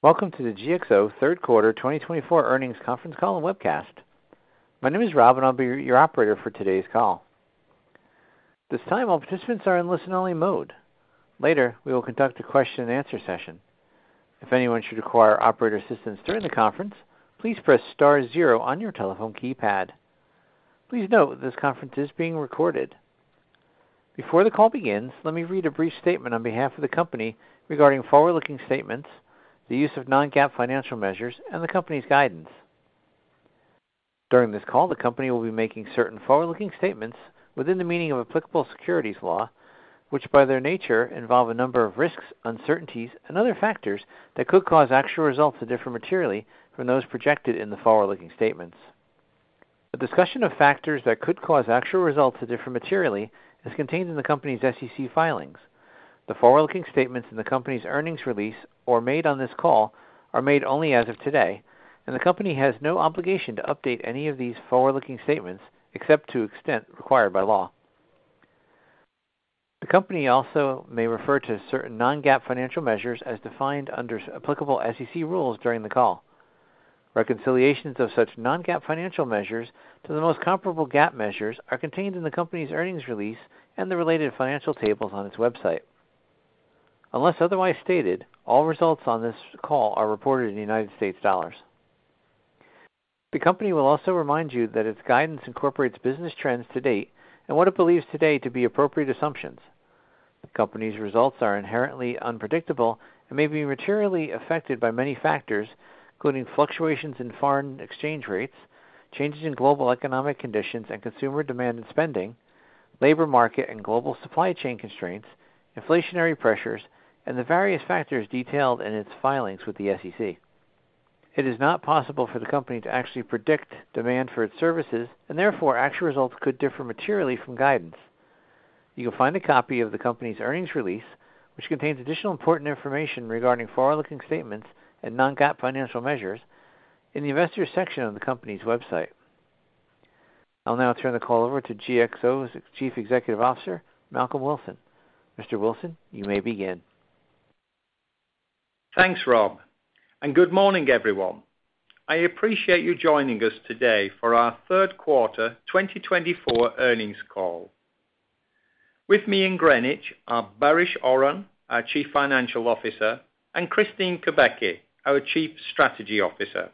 Welcome to the GXO third quarter 2024 earnings conference call and webcast. My name is Rob, and I'll be your operator for today's call. This time all participants are in listen-only mode. Later, we will conduct a question-and-answer session. If anyone should require operator assistance during the conference, please press star zero on your telephone keypad. Please note that this conference is being recorded. Before the call begins, let me read a brief statement on behalf of the company regarding forward-looking statements, the use of non-GAAP financial measures, and the company's guidance. During this call, the company will be making certain forward-looking statements within the meaning of applicable securities law, which by their nature involve a number of risks, uncertainties, and other factors that could cause actual results to differ materially from those projected in the forward-looking statements. The discussion of factors that could cause actual results to differ materially is contained in the company's SEC filings. The forward-looking statements in the company's earnings release or made on this call are made only as of today, and the company has no obligation to update any of these forward-looking statements except to the extent required by law. The company also may refer to certain non-GAAP financial measures as defined under applicable SEC rules during the call. Reconciliations of such non-GAAP financial measures to the most comparable GAAP measures are contained in the company's earnings release and the related financial tables on its website. Unless otherwise stated, all results on this call are reported in United States dollars. The company will also remind you that its guidance incorporates business trends to date and what it believes today to be appropriate assumptions. The company's results are inherently unpredictable and may be materially affected by many factors, including fluctuations in foreign exchange rates, changes in global economic conditions and consumer demand and spending, labor market and global supply chain constraints, inflationary pressures, and the various factors detailed in its filings with the SEC. It is not possible for the company to actually predict demand for its services, and therefore actual results could differ materially from guidance. You can find a copy of the company's earnings release, which contains additional important information regarding forward-looking statements and non-GAAP financial measures, in the investor section of the company's website. I'll now turn the call over to GXO's Chief Executive Officer, Malcolm Wilson. Mr. Wilson, you may begin. Thanks, Rob, and good morning, everyone. I appreciate you joining us today for our third quarter 2024 earnings call. With me in Greenwich are Baris Oran, our Chief Financial Officer, and Kristine Kubacki, our Chief Strategy Officer.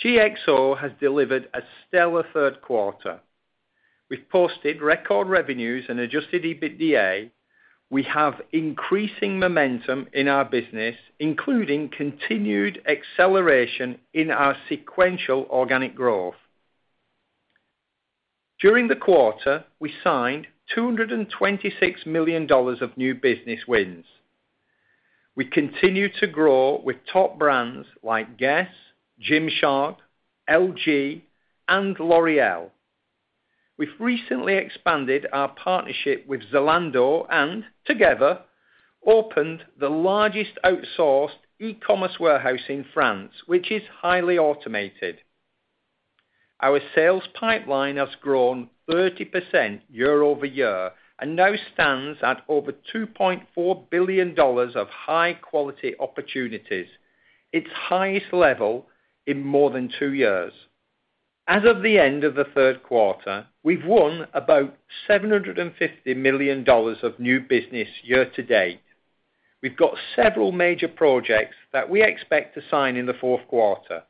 GXO has delivered a stellar third quarter. We've posted record revenues and adjusted EBITDA. We have increasing momentum in our business, including continued acceleration in our sequential organic growth. During the quarter, we signed $226 million of new business wins. We continue to grow with top brands like Guess, Gymshark, LG, and L'Oréal. We've recently expanded our partnership with Zalando, and together opened the largest outsourced e-commerce warehouse in France, which is highly automated. Our sales pipeline has grown 30% year over year and now stands at over $2.4 billion of high-quality opportunities, its highest level in more than two years. As of the end of the third quarter, we've won about $750 million of new business year to date. We've got several major projects that we expect to sign in the fourth quarter.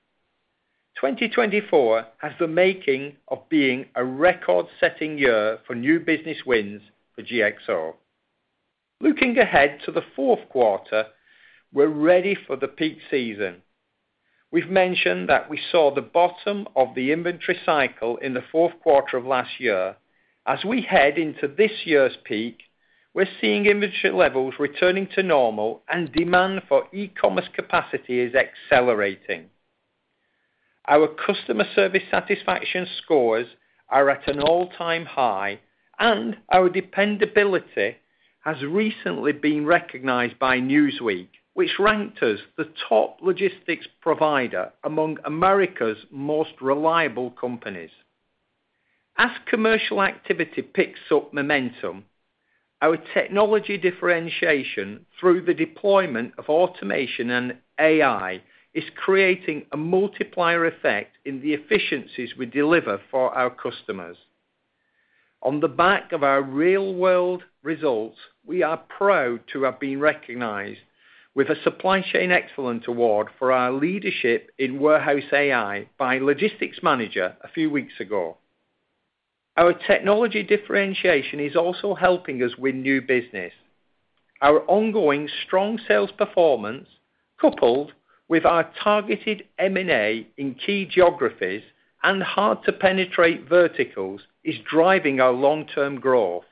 2024 has the making of being a record-setting year for new business wins for GXO. Looking ahead to the fourth quarter, we're ready for the peak season. We've mentioned that we saw the bottom of the inventory cycle in the fourth quarter of last year. As we head into this year's peak, we're seeing inventory levels returning to normal, and demand for e-commerce capacity is accelerating. Our customer service satisfaction scores are at an all-time high, and our dependability has recently been recognized by Newsweek, which ranked us the top logistics provider among America's most reliable companies. As commercial activity picks up momentum, our technology differentiation through the deployment of automation and AI is creating a multiplier effect in the efficiencies we deliver for our customers. On the back of our real-world results, we are proud to have been recognized with a Supply Chain Excellence Award for our leadership in Warehouse AI by Logistics Manager a few weeks ago. Our technology differentiation is also helping us win new business. Our ongoing strong sales performance, coupled with our targeted M&A in key geographies and hard-to-penetrate verticals, is driving our long-term growth.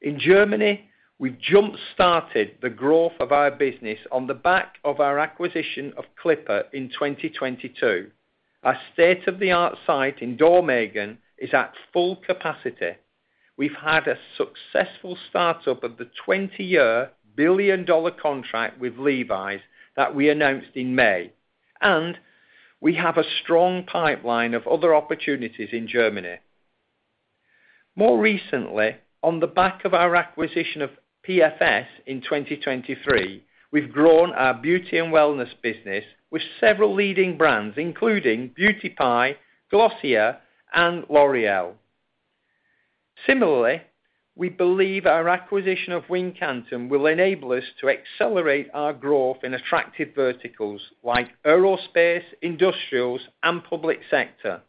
In Germany, we've jump-started the growth of our business on the back of our acquisition of Clipper in 2022. Our state-of-the-art site in Dormagen is at full capacity. We've had a successful start-up of the 20-year billion-dollar contract with Levi's that we announced in May, and we have a strong pipeline of other opportunities in Germany. More recently, on the back of our acquisition of PFS in 2023, we've grown our beauty and wellness business with several leading brands, including Beauty Pie, Glossier, and L'Oréal. Similarly, we believe our acquisition of Wincanton will enable us to accelerate our growth in attractive verticals like aerospace, industrials, and public sector.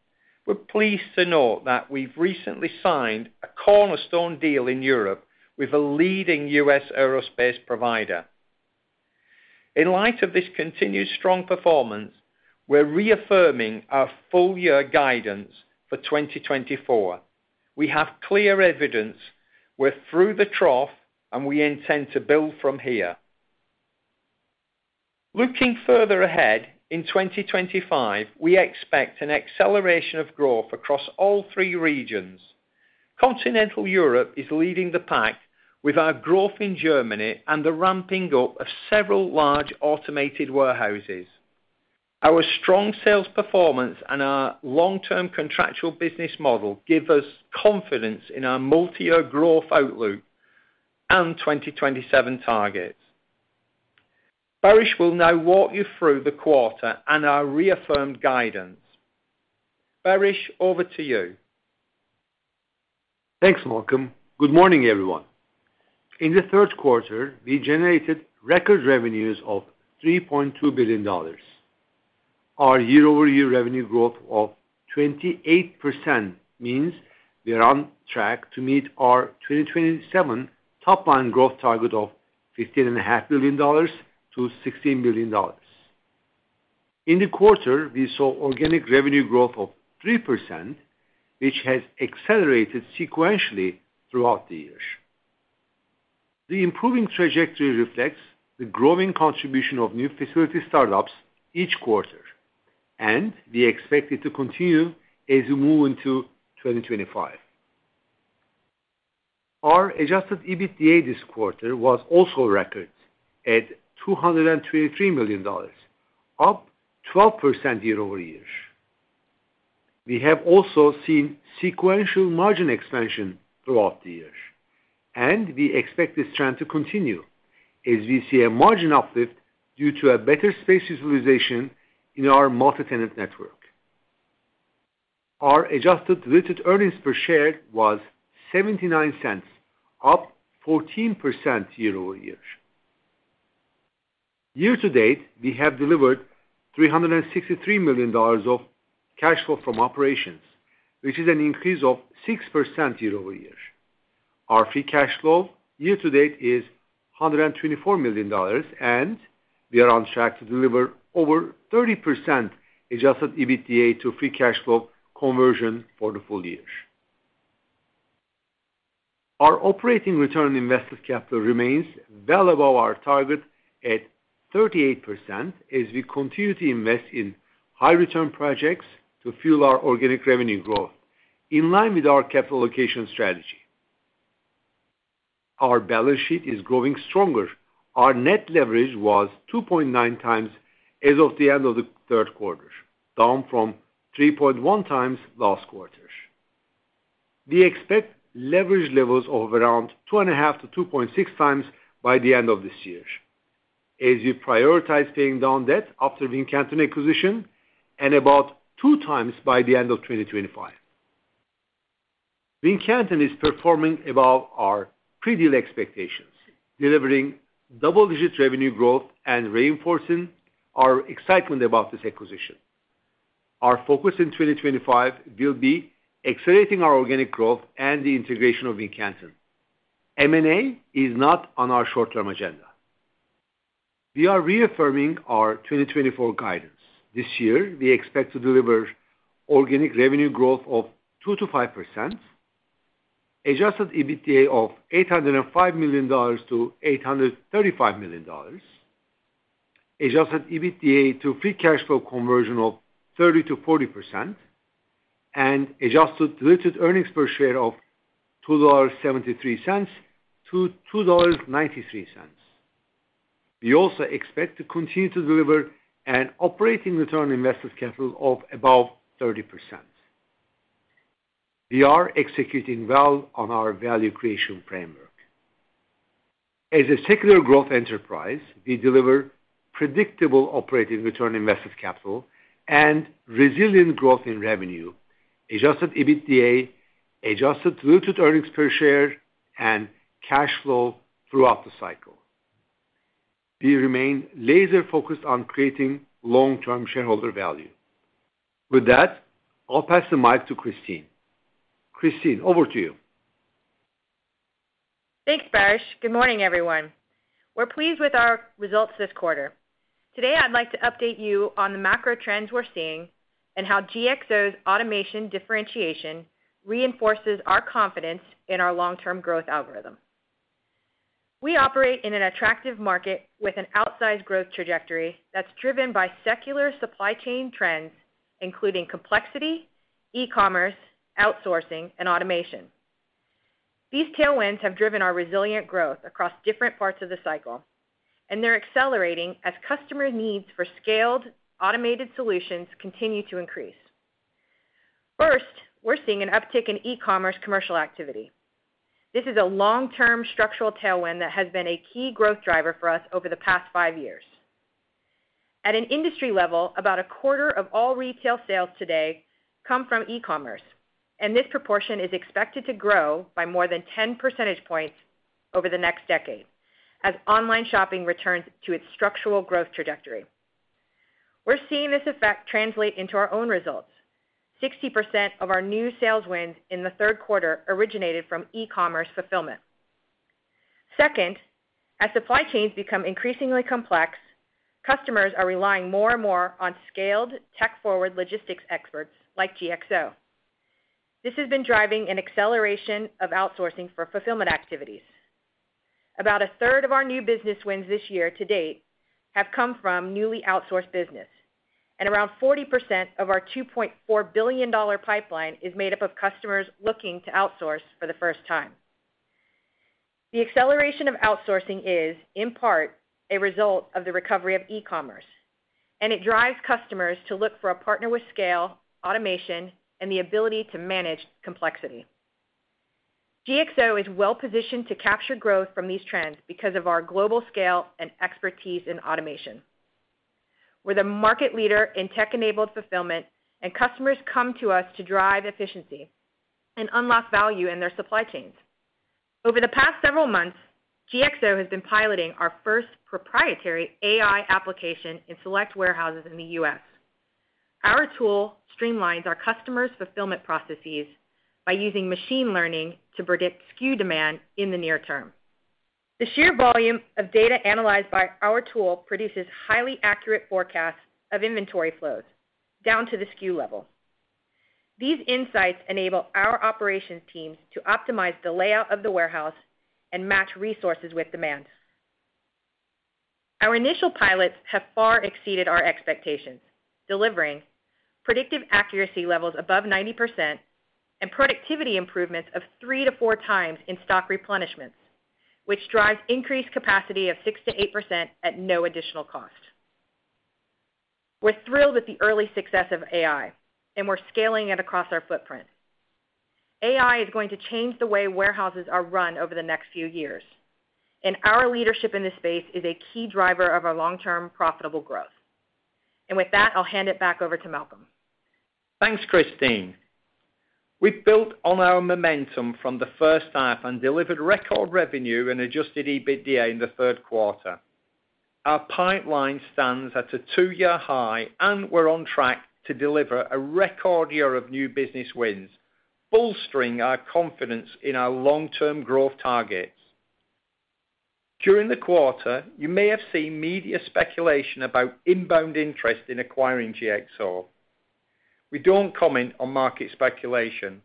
We're pleased to note that we've recently signed a cornerstone deal in Europe with a leading U.S. aerospace provider. In light of this continued strong performance, we're reaffirming our full-year guidance for 2024. We have clear evidence we're through the trough, and we intend to build from here. Looking further ahead, in 2025, we expect an acceleration of growth across all three regions. Continental Europe is leading the pack with our growth in Germany and the ramping up of several large automated warehouses. Our strong sales performance and our long-term contractual business model give us confidence in our multi-year growth outlook and 2027 targets. Baris will now walk you through the quarter and our reaffirmed guidance. Baris, over to you. Thanks, Malcolm. Good morning, everyone. In the third quarter, we generated record revenues of $3.2 billion. Our year-over-year revenue growth of 28% means we are on track to meet our 2027 top-line growth target of $15.5 billion-$16 billion. In the quarter, we saw organic revenue growth of 3%, which has accelerated sequentially throughout the years. The improving trajectory reflects the growing contribution of new facility startups each quarter, and we expect it to continue as we move into 2025. Our adjusted EBITDA this quarter was also record at $223 million, up 12% year-over-year. We have also seen sequential margin expansion throughout the year, and we expect this trend to continue as we see a margin uplift due to better space utilization in our multi-tenant network. Our adjusted diluted earnings per share was $0.79, up 14% year-over-year. Year to date, we have delivered $363 million of cash flow from operations, which is an increase of 6% year-over-year. Our free cash flow year to date is $124 million, and we are on track to deliver over 30% adjusted EBITDA to free cash flow conversion for the full year. Our operating return on invested capital remains well above our target at 38% as we continue to invest in high-return projects to fuel our organic revenue growth in line with our capital allocation strategy. Our balance sheet is growing stronger. Our net leverage was 2.9 times as of the end of the third quarter, down from 3.1 times last quarter. We expect leverage levels of around 2.5 to 2.6 times by the end of this year, as we prioritize paying down debt after Wincanton acquisition, and about 2 times by the end of 2025. Wincanton is performing above our pre-deal expectations, delivering double-digit revenue growth and reinforcing our excitement about this acquisition. Our focus in 2025 will be accelerating our organic growth and the integration of Wincanton. M&A is not on our short-term agenda. We are reaffirming our 2024 guidance. This year, we expect to deliver organic revenue growth of 2%-5%, adjusted EBITDA of $805-$835 million, adjusted EBITDA to free cash flow conversion of 30%-40%, and adjusted diluted earnings per share of $2.73-$2.93. We also expect to continue to deliver an operating return on invested capital of above 30%. We are executing well on our value creation framework. As a secular growth enterprise, we deliver predictable operating return on invested capital and resilient growth in revenue, adjusted EBITDA, adjusted diluted earnings per share, and cash flow throughout the cycle. We remain laser-focused on creating long-term shareholder value. With that, I'll pass the mic to Kristine. Kristine, over to you. Thanks, Baris. Good morning, everyone. We're pleased with our results this quarter. Today, I'd like to update you on the macro trends we're seeing and how GXO's automation differentiation reinforces our confidence in our long-term growth algorithm. We operate in an attractive market with an outsized growth trajectory that's driven by secular supply chain trends, including complexity, e-commerce, outsourcing, and automation. These tailwinds have driven our resilient growth across different parts of the cycle, and they're accelerating as customer needs for scaled automated solutions continue to increase. First, we're seeing an uptick in e-commerce commercial activity. This is a long-term structural tailwind that has been a key growth driver for us over the past five years. At an industry level, about a quarter of all retail sales today come from e-commerce, and this proportion is expected to grow by more than 10 percentage points over the next decade as online shopping returns to its structural growth trajectory. We're seeing this effect translate into our own results. 60% of our new sales wins in the third quarter originated from e-commerce fulfillment. Second, as supply chains become increasingly complex, customers are relying more and more on scaled tech-forward logistics experts like GXO. This has been driving an acceleration of outsourcing for fulfillment activities. About a third of our new business wins this year to date have come from newly outsourced business, and around 40% of our $2.4 billion pipeline is made up of customers looking to outsource for the first time. The acceleration of outsourcing is, in part, a result of the recovery of e-commerce, and it drives customers to look for a partner with scale, automation, and the ability to manage complexity. GXO is well-positioned to capture growth from these trends because of our global scale and expertise in automation. We're the market leader in tech-enabled fulfillment, and customers come to us to drive efficiency and unlock value in their supply chains. Over the past several months, GXO has been piloting our first proprietary AI application in select warehouses in the U.S. Our tool streamlines our customers' fulfillment processes by using machine learning to predict SKU demand in the near term. The sheer volume of data analyzed by our tool produces highly accurate forecasts of inventory flows down to the SKU level. These insights enable our operations teams to optimize the layout of the warehouse and match resources with demand. Our initial pilots have far exceeded our expectations, delivering predictive accuracy levels above 90% and productivity improvements of three to four times in stock replenishments, which drives increased capacity of 6%-8% at no additional cost. We're thrilled with the early success of AI, and we're scaling it across our footprint. AI is going to change the way warehouses are run over the next few years, and our leadership in this space is a key driver of our long-term profitable growth. And with that, I'll hand it back over to Malcolm. Thanks, Kristine. We've built on our momentum from the first half and delivered record revenue and adjusted EBITDA in the third quarter. Our pipeline stands at a two-year high, and we're on track to deliver a record year of new business wins, bolstering our confidence in our long-term growth targets. During the quarter, you may have seen media speculation about inbound interest in acquiring GXO. We don't comment on market speculation.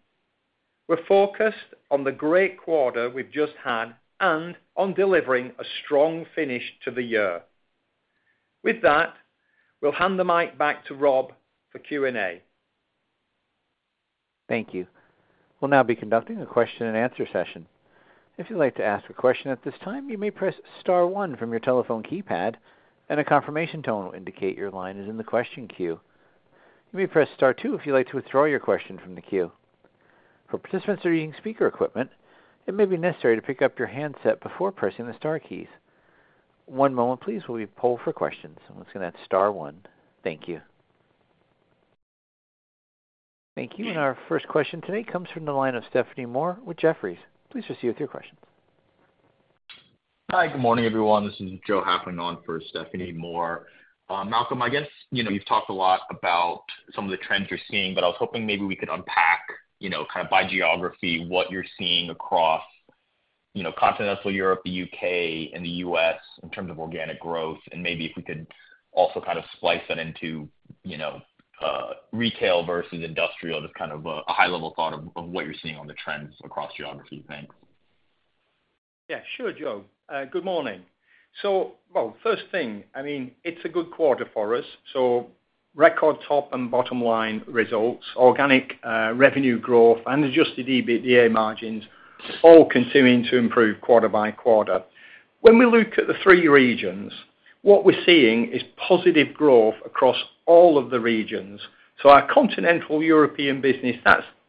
We're focused on the great quarter we've just had and on delivering a strong finish to the year. With that, we'll hand the mic back to Rob for Q&A. Thank you. We'll now be conducting a question-and-answer session. If you'd like to ask a question at this time, you may press star one from your telephone keypad, and a confirmation tone will indicate your line is in the question queue. You may press star two if you'd like to withdraw your question from the queue. For participants that are using speaker equipment, it may be necessary to pick up your handset before pressing the star keys. One moment, please, while we poll for questions. Someone's going to hit star one. Thank you. Thank you. And our first question today comes from the line of Stephanie Moore with Jefferies. Please proceed with your questions. Hi, good morning, everyone. This is Joseph Hafling on for Stephanie Moore. Malcolm, I guess you've talked a lot about some of the trends you're seeing, but I was hoping maybe we could unpack kind of by geography what you're seeing across Continental Europe, the UK, and the US in terms of organic growth, and maybe if we could also kind of splice that into retail versus industrial, just kind of a high-level thought of what you're seeing on the trends across geography. Thanks. Yeah, sure, Joseph. Good morning. So, well, first thing, I mean, it's a good quarter for us. So record top and bottom-line results, organic revenue growth, and adjusted EBITDA margins all continuing to improve quarter by quarter. When we look at the three regions, what we're seeing is positive growth across all of the regions. So our Continental European business,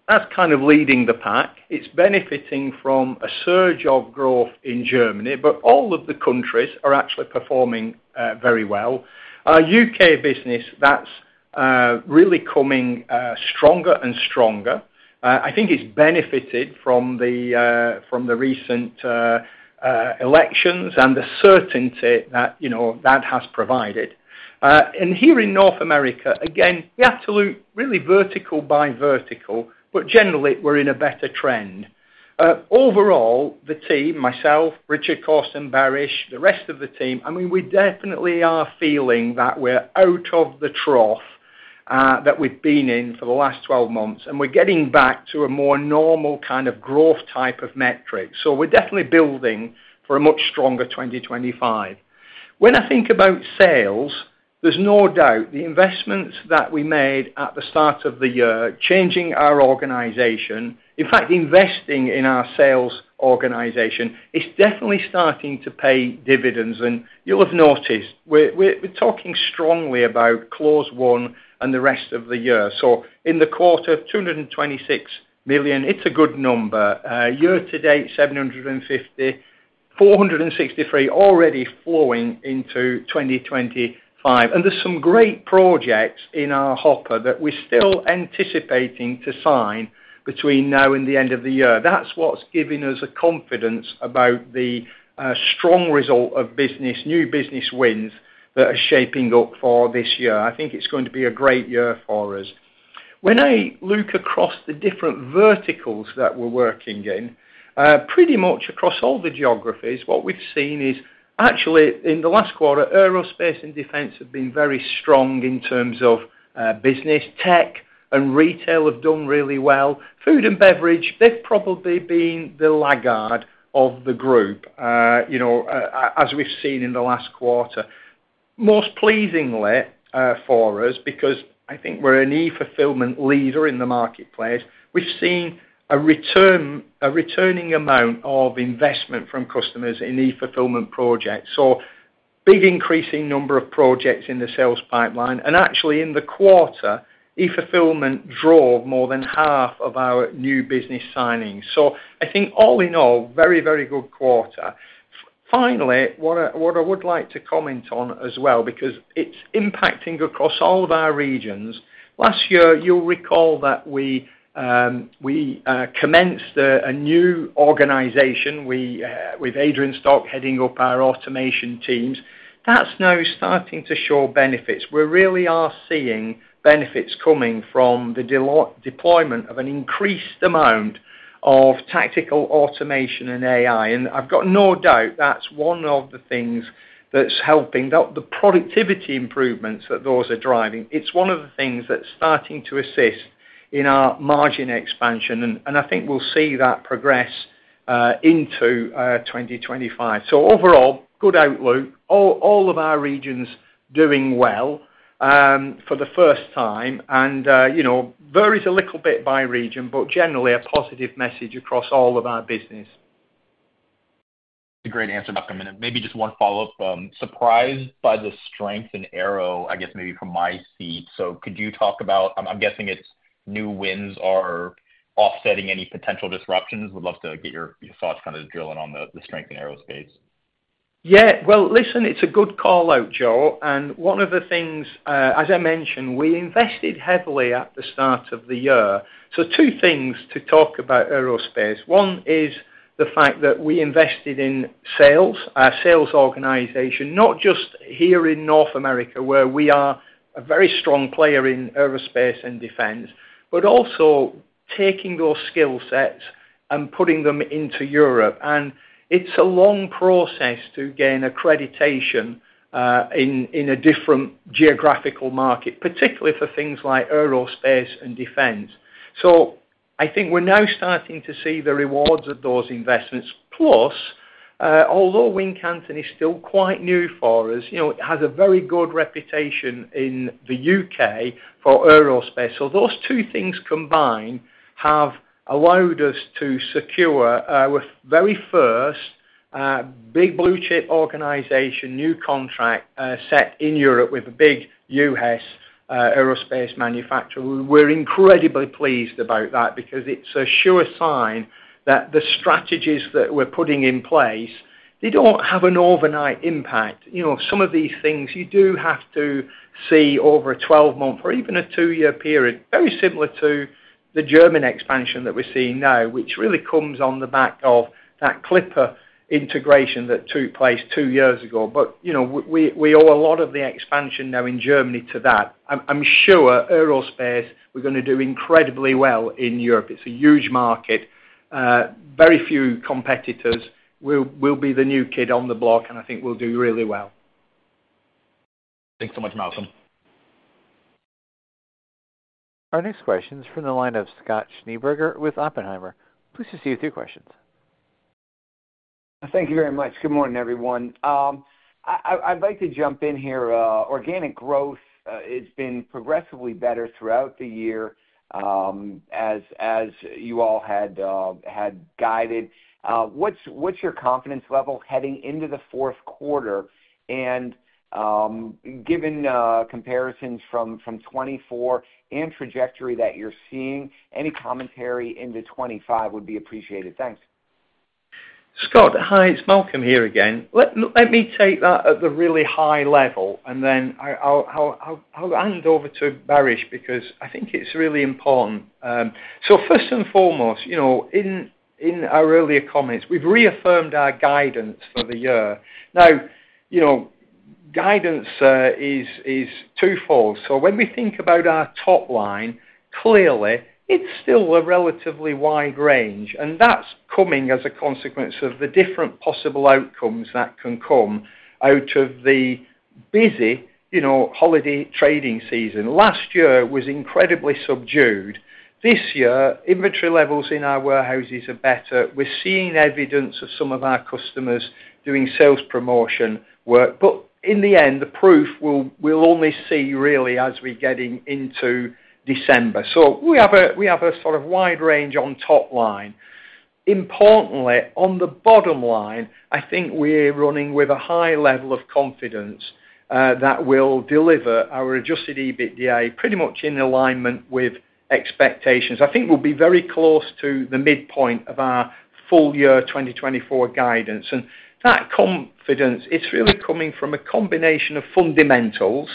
that's kind of leading the pack. It's benefiting from a surge of growth in Germany, but all of the countries are actually performing very well. Our UK business, that's really coming stronger and stronger. I think it's benefited from the recent elections and the certainty that that has provided. And here in North America, again, we have to look really vertical by vertical, but generally, we're in a better trend. Overall, the team, myself, Richard Cawston, Baris, the rest of the team, I mean, we definitely are feeling that we're out of the trough that we've been in for the last 12 months, and we're getting back to a more normal kind of growth type of metric, so we're definitely building for a much stronger 2025. When I think about sales, there's no doubt the investments that we made at the start of the year, changing our organization, in fact, investing in our sales organization, is definitely starting to pay dividends, and you'll have noticed we're talking strongly about Q1 and the rest of the year, so in the quarter, $226 million, it's a good number. Year to date, $750 million, $463 million already flowing into 2025, and there's some great projects in our hopper that we're still anticipating to sign between now and the end of the year. That's what's giving us a confidence about the strong result of business, new business wins that are shaping up for this year. I think it's going to be a great year for us. When I look across the different verticals that we're working in, pretty much across all the geographies, what we've seen is actually in the last quarter, aerospace and defense have been very strong in terms of business. Tech and retail have done really well. Food and beverage, they've probably been the laggard of the group, as we've seen in the last quarter. Most pleasingly for us, because I think we're an e-fulfillment leader in the marketplace, we've seen a returning amount of investment from customers in e-fulfillment projects. So big increasing number of projects in the sales pipeline, and actually, in the quarter, e-fulfillment drove more than half of our new business signings. I think all in all, very, very good quarter. Finally, what I would like to comment on as well, because it's impacting across all of our regions. Last year, you'll recall that we commenced a new organization with Adrian Stoch heading up our automation teams. That's now starting to show benefits. We really are seeing benefits coming from the deployment of an increased amount of tactical automation and AI. And I've got no doubt that's one of the things that's helping, the productivity improvements that those are driving. It's one of the things that's starting to assist in our margin expansion. And I think we'll see that progress into 2025. So overall, good outlook. All of our regions doing well for the first time. And varies a little bit by region, but generally a positive message across all of our business. It's a great answer, Malcolm, and maybe just one follow-up. Surprised by the strength in aero, I guess maybe from my seat, so could you talk about, I'm guessing its new wins are offsetting any potential disruptions? Would love to get your thoughts kind of drilling on the strength in Aerospace. Yeah. Well, listen, it's a good call out, Joseph, and one of the things, as I mentioned, we invested heavily at the start of the year, so two things to talk about aerospace. One is the fact that we invested in sales, our sales organization, not just here in North America where we are a very strong player in aerospace and defense, but also taking those skill sets and putting them into Europe. And it's a long process to gain accreditation in a different geographical market, particularly for things like aerospace and defense, so I think we're now starting to see the rewards of those investments. Plus, although Wincanton is still quite new for us, it has a very good reputation in the U.K. for aerospace. So those two things combined have allowed us to secure our very first big blue-chip organization, new contract set in Europe with a big U.S. aerospace manufacturer. We're incredibly pleased about that because it's a sure sign that the strategies that we're putting in place, they don't have an overnight impact. Some of these things, you do have to see over a 12-month or even a two-year period, very similar to the German expansion that we're seeing now, which really comes on the back of that Clipper integration that took place two years ago. But we owe a lot of the expansion now in Germany to that. I'm sure aerospace, we're going to do incredibly well in Europe. It's a huge market. Very few competitors will be the new kid on the block, and I think we'll do really well. Thanks so much, Malcolm. Our next question is from the line of Scott Schneeberger with Oppenheimer. Please proceed with your questions. Thank you very much. Good morning, everyone. I'd like to jump in here. Organic growth has been progressively better throughout the year as you all had guided. What's your confidence level heading into the fourth quarter? And given comparisons from 2024 and trajectory that you're seeing, any commentary into 2025 would be appreciated. Thanks. Scott, hi. It's Malcolm here again. Let me take that at the really high level, and then I'll hand it over to Baris because I think it's really important. So first and foremost, in our earlier comments, we've reaffirmed our guidance for the year. Now, guidance is twofold, so when we think about our top line, clearly, it's still a relatively wide range, and that's coming as a consequence of the different possible outcomes that can come out of the busy holiday trading season. Last year was incredibly subdued. This year, inventory levels in our warehouses are better. We're seeing evidence of some of our customers doing sales promotion work, but in the end, the proof we'll only see really as we're getting into December, so we have a sort of wide range on top line. Importantly, on the bottom line, I think we're running with a high level of confidence that we'll deliver our Adjusted EBITDA pretty much in alignment with expectations. I think we'll be very close to the midpoint of our full year 2024 guidance. And that confidence, it's really coming from a combination of fundamentals,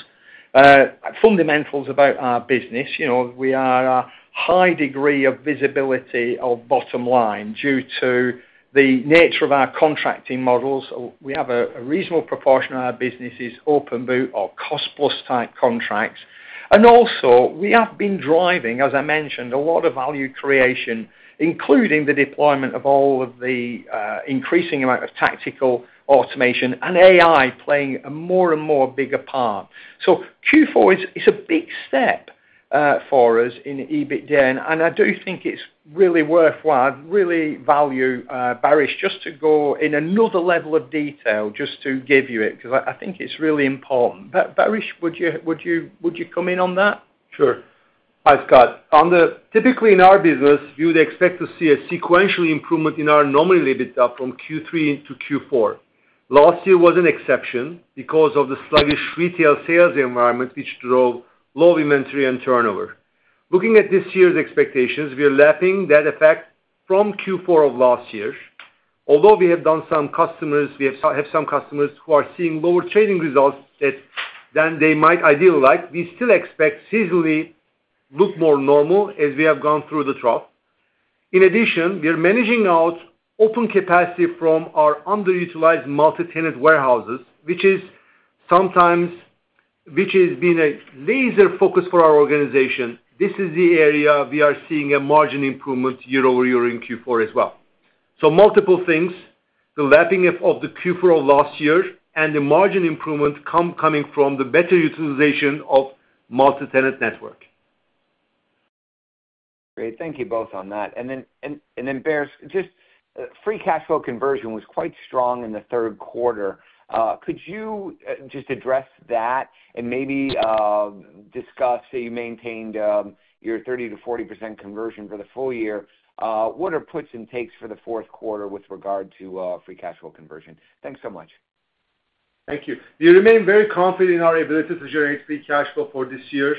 fundamentals about our business. We are a high degree of visibility of bottom line due to the nature of our contracting models. We have a reasonable proportion of our businesses open book or cost-plus type contracts. And also, we have been driving, as I mentioned, a lot of value creation, including the deployment of all of the increasing amount of tactical automation and AI playing a more and more bigger part. So Q4 is a big step for us in EBITDA, and I do think it's really worthwhile. I really value Baris just to go in another level of detail just to give you it because I think it's really important. Baris, would you come in on that? Sure. Hi, Scott. Typically, in our business, you would expect to see a sequential improvement in our nominal EBITDA from Q3 to Q4. Last year was an exception because of the sluggish retail sales environment, which drove low inventory and turnover. Looking at this year's expectations, we are lapping that effect from Q4 of last year. Although we have some customers who are seeing lower trading results than they might ideally like, we still expect seasonally look more normal as we have gone through the trough. In addition, we are managing out open capacity from our underutilized multi-tenant warehouses, which has been a laser focus for our organization. This is the area we are seeing a margin improvement year over year in Q4 as well. Multiple things: the lapping of the Q4 of last year and the margin improvement coming from the better utilization of multi-tenant network. Great. Thank you both on that. And then, Baris, just free cash flow conversion was quite strong in the third quarter. Could you just address that and maybe discuss that you maintained your 30%-40% conversion for the full year? What are puts and takes for the fourth quarter with regard to free cash flow conversion? Thanks so much. Thank you. We remain very confident in our ability to generate free cash flow for this year.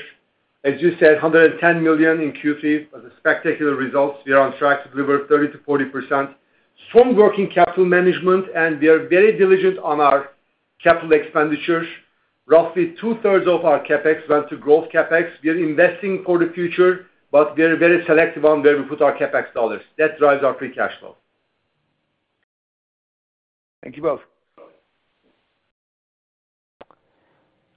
As you said, $110 million in Q3 was a spectacular result. We are on track to deliver 30%-40%. Strong working capital management, and we are very diligent on our capital expenditures. Roughly two-thirds of our CapEx went to growth CapEx. We are investing for the future, but we are very selective on where we put our CapEx dollars. That drives our free cash flow. Thank you both.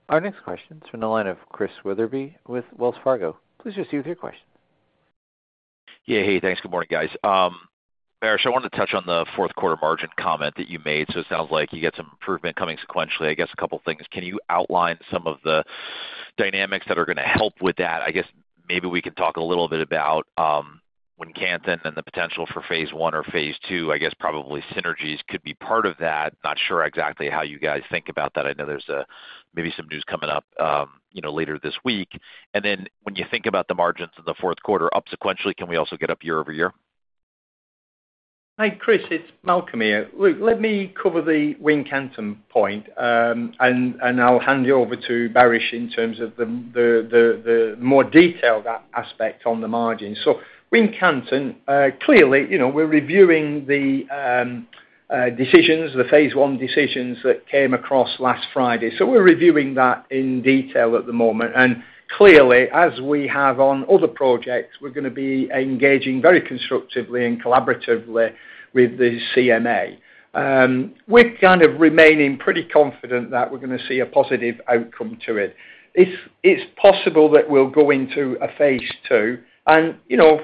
Our next question is from the line of Chris Wetherbee with Wells Fargo. Please proceed with your question. Yeah. Hey, thanks. Good morning, guys. Baris, I wanted to touch on the fourth quarter margin comment that you made. So it sounds like you get some improvement coming sequentially. I guess a couple of things. Can you outline some of the dynamics that are going to help with that? I guess maybe we can talk a little bit about Wincanton and the potential for Phase 1 or Phase 2. I guess probably synergies could be part of that. Not sure exactly how you guys think about that. I know there's maybe some news coming up later this week. And then when you think about the margins in the fourth quarter, up sequentially, can we also get up year over year? Hi, Chris. It's Malcolm here. Look, let me cover the Wincanton point, and I'll hand you over to Baris in terms of the more detailed aspect on the margins. So Wincanton, clearly, we're reviewing the decisions, the Phase 1 decisions that came across last Friday. So we're reviewing that in detail at the moment. And clearly, as we have on other projects, we're going to be engaging very constructively and collaboratively with the CMA. We're kind of remaining pretty confident that we're going to see a positive outcome to it. It's possible that we'll go into a Phase 2. And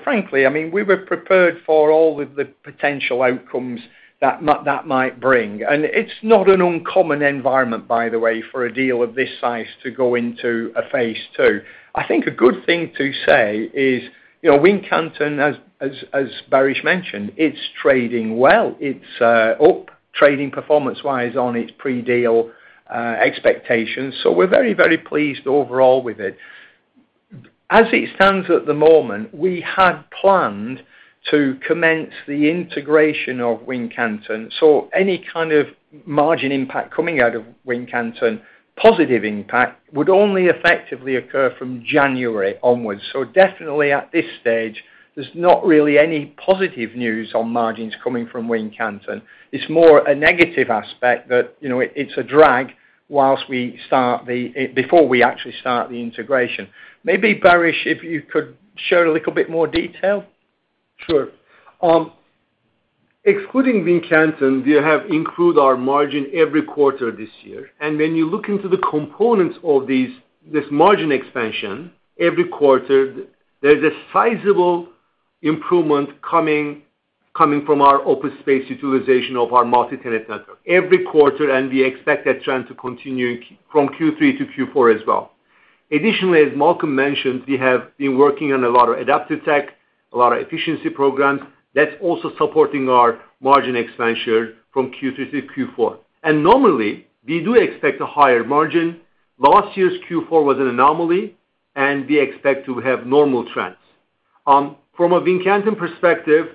frankly, I mean, we were prepared for all of the potential outcomes that might bring. And it's not an uncommon environment, by the way, for a deal of this size to go into a Phase 2. I think a good thing to say is Wincanton, as Baris mentioned, it's trading well. It's up trading performance-wise on its pre-deal expectations, so we're very, very pleased overall with it. As it stands at the moment, we had planned to commence the integration of Wincanton, so any kind of margin impact coming out of Wincanton, positive impact, would only effectively occur from January onwards, so definitely at this stage, there's not really any positive news on margins coming from Wincanton. It's more a negative aspect that it's a drag whilst we start the, before we actually start the integration. Maybe Baris, if you could share a little bit more detail. Sure. Excluding Wincanton, we have increased our margin every quarter this year, and when you look into the components of this margin expansion, every quarter, there's a sizable improvement coming from our open space utilization of our multi-tenant network. Every quarter, and we expect that trend to continue from Q3 to Q4 as well. Additionally, as Malcolm mentioned, we have been working on a lot of adaptive tech, a lot of efficiency programs. That's also supporting our margin expansion from Q3 to Q4, and normally, we do expect a higher margin. Last year's Q4 was an anomaly, and we expect to have normal trends. From a Wincanton perspective,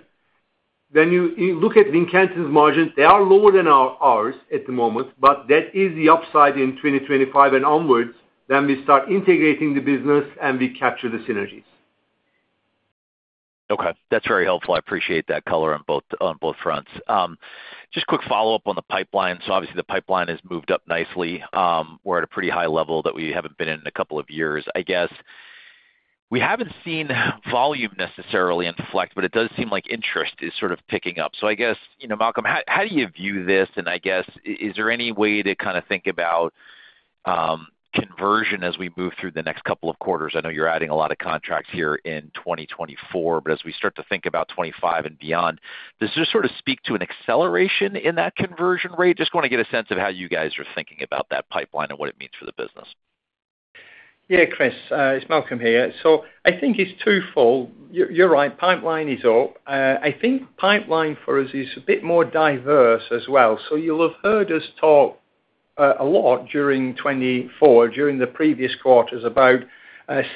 when you look at Wincanton's margin, they are lower than ours at the moment, but that is the upside in 2025 and onwards when we start integrating the business and we capture the synergies. Okay. That's very helpful. I appreciate that color on both fronts. Just quick follow-up on the pipeline. So obviously, the pipeline has moved up nicely. We're at a pretty high level that we haven't been in in a couple of years, I guess. We haven't seen volume necessarily inflect, but it does seem like interest is sort of picking up. So I guess, Malcolm, how do you view this? And I guess, is there any way to kind of think about conversion as we move through the next couple of quarters? I know you're adding a lot of contracts here in 2024, but as we start to think about 2025 and beyond, does this sort of speak to an acceleration in that conversion rate? Just want to get a sense of how you guys are thinking about that pipeline and what it means for the business. Yeah, Chris. It's Malcolm here, so I think it's twofold. You're right. Pipeline is up. I think pipeline for us is a bit more diverse as well. So you'll have heard us talk a lot during 2024, during the previous quarters about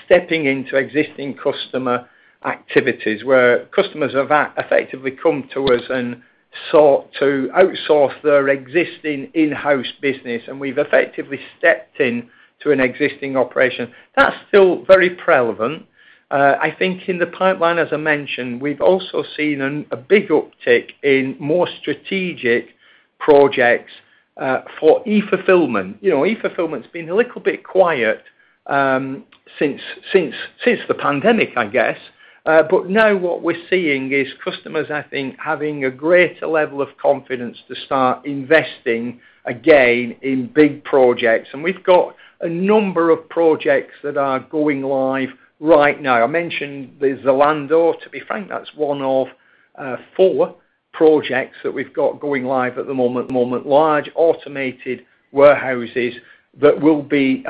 stepping into existing customer activities where customers have effectively come to us and sought to outsource their existing in-house business, and we've effectively stepped into an existing operation. That's still very prevalent. I think in the pipeline, as I mentioned, we've also seen a big uptick in more strategic projects for e-fulfillment. E-fulfillment's been a little bit quiet since the pandemic, I guess, but now what we're seeing is customers, I think, having a greater level of confidence to start investing again in big projects, and we've got a number of projects that are going live right now. I mentioned there's Zalando. To be frank, that's one of four projects that we've got going live at the moment. Large automated warehouses that will be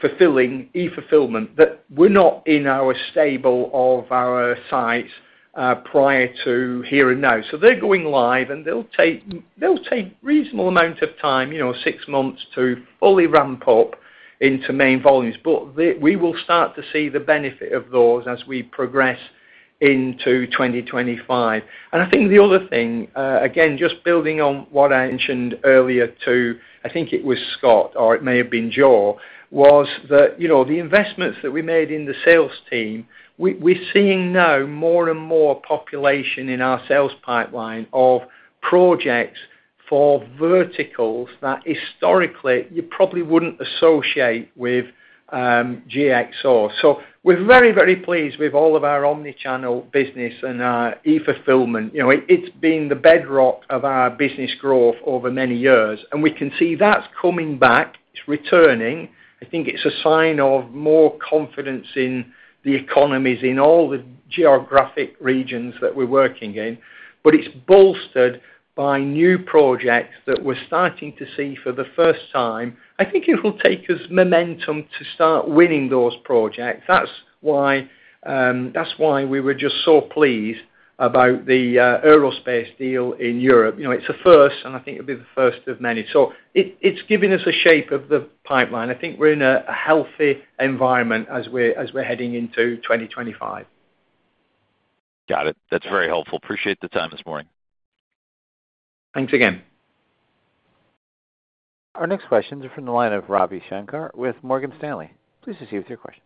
fulfilling e-fulfillment that were not in our stable of our sites prior to here and now. So they're going live, and they'll take a reasonable amount of time, six months to fully ramp up into main volumes. But we will start to see the benefit of those as we progress into 2025. And I think the other thing, again, just building on what I mentioned earlier to, I think it was Scott or it may have been Joe, was that the investments that we made in the sales team, we're seeing now more and more population in our sales pipeline of projects for verticals that historically you probably wouldn't associate with GXO. So we're very, very pleased with all of our omnichannel business and our e-fulfillment. It's been the bedrock of our business growth over many years, and we can see that's coming back. It's returning. I think it's a sign of more confidence in the economies in all the geographic regions that we're working in, but it's bolstered by new projects that we're starting to see for the first time. I think it will take us momentum to start winning those projects. That's why we were just so pleased about the aerospace deal in Europe. It's a first, and I think it'll be the first of many, so it's giving us a shape of the pipeline. I think we're in a healthy environment as we're heading into 2025. Got it. That's very helpful. Appreciate the time this morning. Thanks again. Our next questions are from the line of Ravi Shankar with Morgan Stanley. Please proceed with your questions.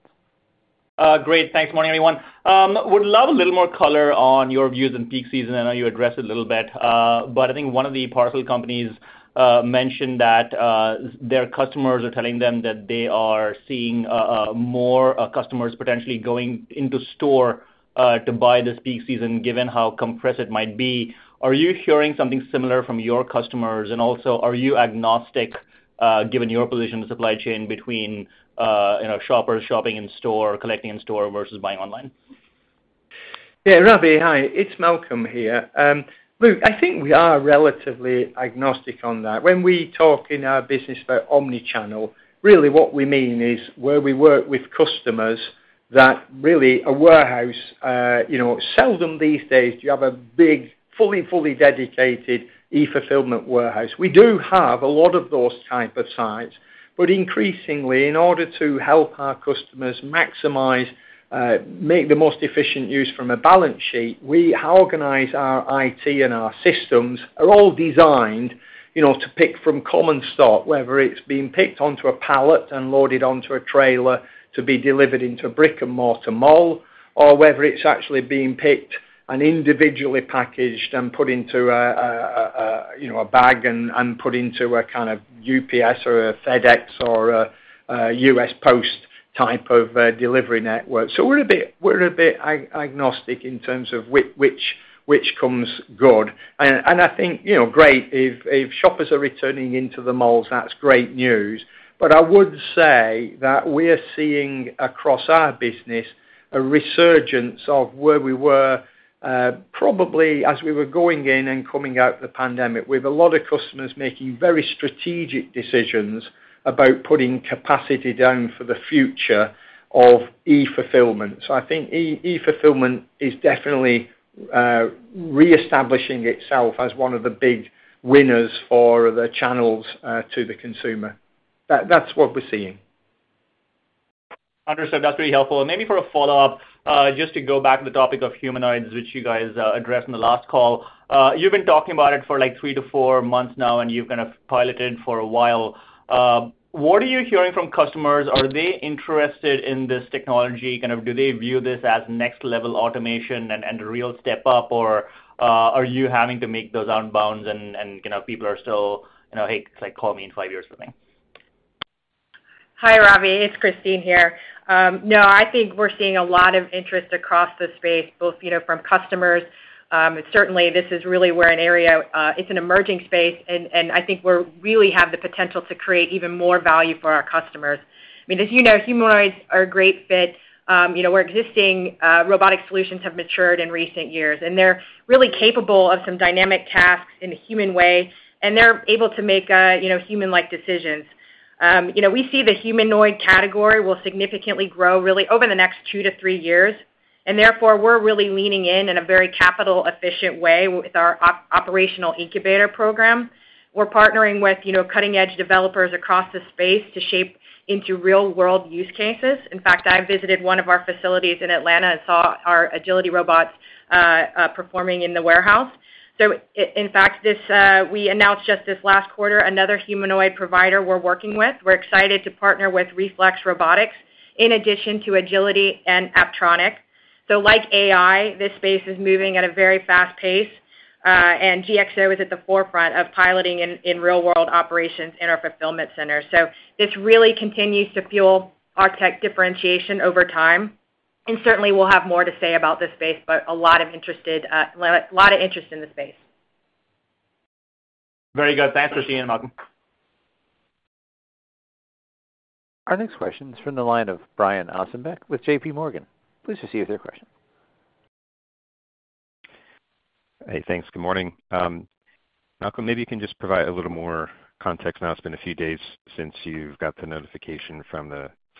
Great. Good morning, everyone. I would love a little more color on your views in peak season. I know you addressed it a little bit, but I think one of the parcel companies mentioned that their customers are telling them that they are seeing more customers potentially going into store to buy this peak season given how compressed it might be. Are you hearing something similar from your customers? And also, are you agnostic given your position in the supply chain between shoppers shopping in store, collecting in store versus buying online? Yeah, Ravi, hi. It's Malcolm here. Look, I think we are relatively agnostic on that. When we talk in our business about omnichannel, really what we mean is where we work with customers that really a warehouse seldom these days do you have a big fully dedicated e-fulfillment warehouse. We do have a lot of those type of sites. But increasingly, in order to help our customers maximize, make the most efficient use from a balance sheet, we organize our IT and our systems are all designed to pick from common stock, whether it's being picked onto a pallet and loaded onto a trailer to be delivered into a brick-and-mortar mall, or whether it's actually being picked and individually packaged and put into a bag and put into a kind of UPS or a FedEx or a US Post type of delivery network. So, we're a bit agnostic in terms of which comes good. And I think great. If shoppers are returning into the malls, that's great news. But I would say that we are seeing across our business a resurgence of where we were probably as we were going in and coming out of the pandemic with a lot of customers making very strategic decisions about putting capacity down for the future of e-fulfillment. So I think e-fulfillment is definitely reestablishing itself as one of the big winners for the channels to the consumer. That's what we're seeing. Understood. That's really helpful, and maybe for a follow-up, just to go back to the topic of humanoids, which you guys addressed in the last call, you've been talking about it for like three to four months now, and you've kind of piloted for a while. What are you hearing from customers? Are they interested in this technology? Do they view this as next-level automation and a real step up, or are you having to make those outbounds and people are still, "Hey, call me in five years for me"? Hi, Ravi. It's Kristine here. No, I think we're seeing a lot of interest across the space, both from customers. Certainly, this is really where an area it's an emerging space, and I think we really have the potential to create even more value for our customers. I mean, as you know, humanoids are a great fit. Our existing robotic solutions have matured in recent years, and they're really capable of some dynamic tasks in a human way, and they're able to make human-like decisions. We see the humanoid category will significantly grow really over the next two to three years. And therefore, we're really leaning in in a very capital-efficient way with our operational incubator program. We're partnering with cutting-edge developers across the space to shape into real-world use cases. In fact, I visited one of our facilities in Atlanta and saw our Agility robots performing in the warehouse. In fact, we announced just this last quarter another humanoid provider we're working with. We're excited to partner with Reflex Robotics in addition to Agility and Apptronik. Like AI, this space is moving at a very fast pace, and GXO is at the forefront of piloting in real-world operations in our fulfillment center. This really continues to fuel our tech differentiation over time. Certainly, we'll have more to say about this space, but a lot of interest in the space. Very good. Thanks, Kristine and Malcolm. Our next question is from the line of Brian Ossenbeck with JP Morgan. Please proceed with your question. Hey, thanks. Good morning. Malcolm, maybe you can just provide a little more context now. It's been a few days since you've got the notification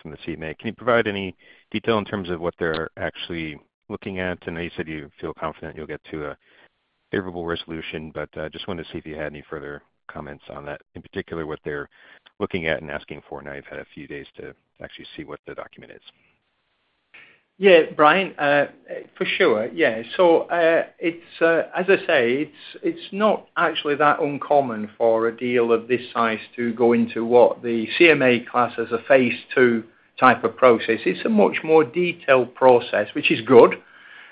from the CMA. Can you provide any detail in terms of what they're actually looking at? I know you said you feel confident you'll get to a favorable resolution, but I just wanted to see if you had any further comments on that, in particular what they're looking at and asking for now you've had a few days to actually see what the document is. Yeah, Brian, for sure. Yeah, so as I say, it's not actually that uncommon for a deal of this size to go into what the CMA classes a Phase 2 type of process. It's a much more detailed process, which is good,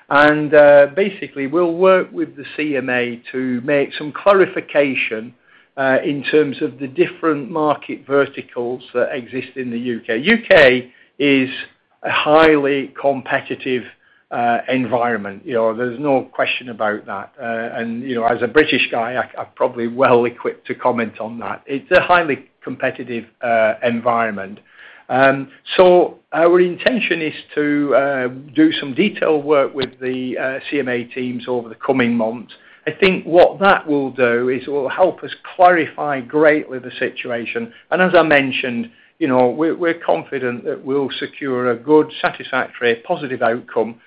and basically, we'll work with the CMA to make some clarification in terms of the different market verticals that exist in the U.K. U.K. is a highly competitive environment. There's no question about that. And as a British guy, I'm probably well equipped to comment on that. It's a highly competitive environment, so our intention is to do some detailed work with the CMA teams over the coming months. I think what that will do is it will help us clarify greatly the situation. And as I mentioned, we're confident that we'll secure a good, satisfactory, positive outcome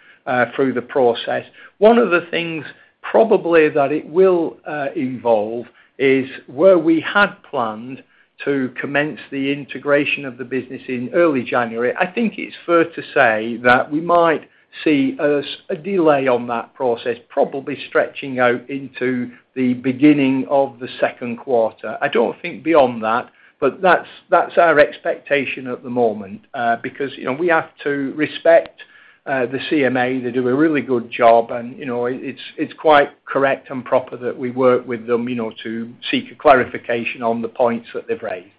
through the process. One of the things probably that it will involve is where we had planned to commence the integration of the business in early January. I think it's fair to say that we might see a delay on that process probably stretching out into the beginning of the second quarter. I don't think beyond that, but that's our expectation at the moment because we have to respect the CMA. They do a really good job, and it's quite correct and proper that we work with them to seek clarification on the points that they've raised.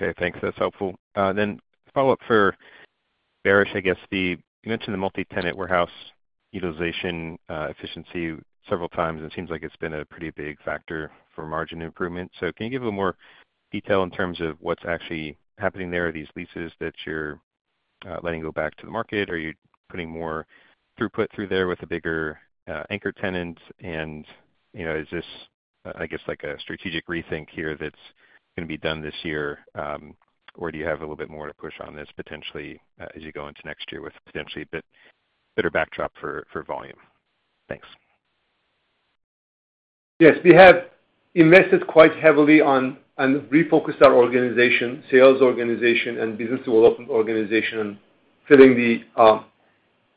Okay. Thanks. That's helpful. Then follow-up for Baris, I guess. You mentioned the multi-tenant warehouse utilization efficiency several times, and it seems like it's been a pretty big factor for margin improvement. So can you give a little more detail in terms of what's actually happening there? Are these leases that you're letting go back to the market? Are you putting more throughput through there with a bigger anchor tenant? And is this, I guess, like a strategic rethink here that's going to be done this year, or do you have a little bit more to push on this potentially as you go into next year with potentially a bit better backdrop for volume? Thanks. Yes. We have invested quite heavily and refocused our organization, sales organization, and business development organization on filling the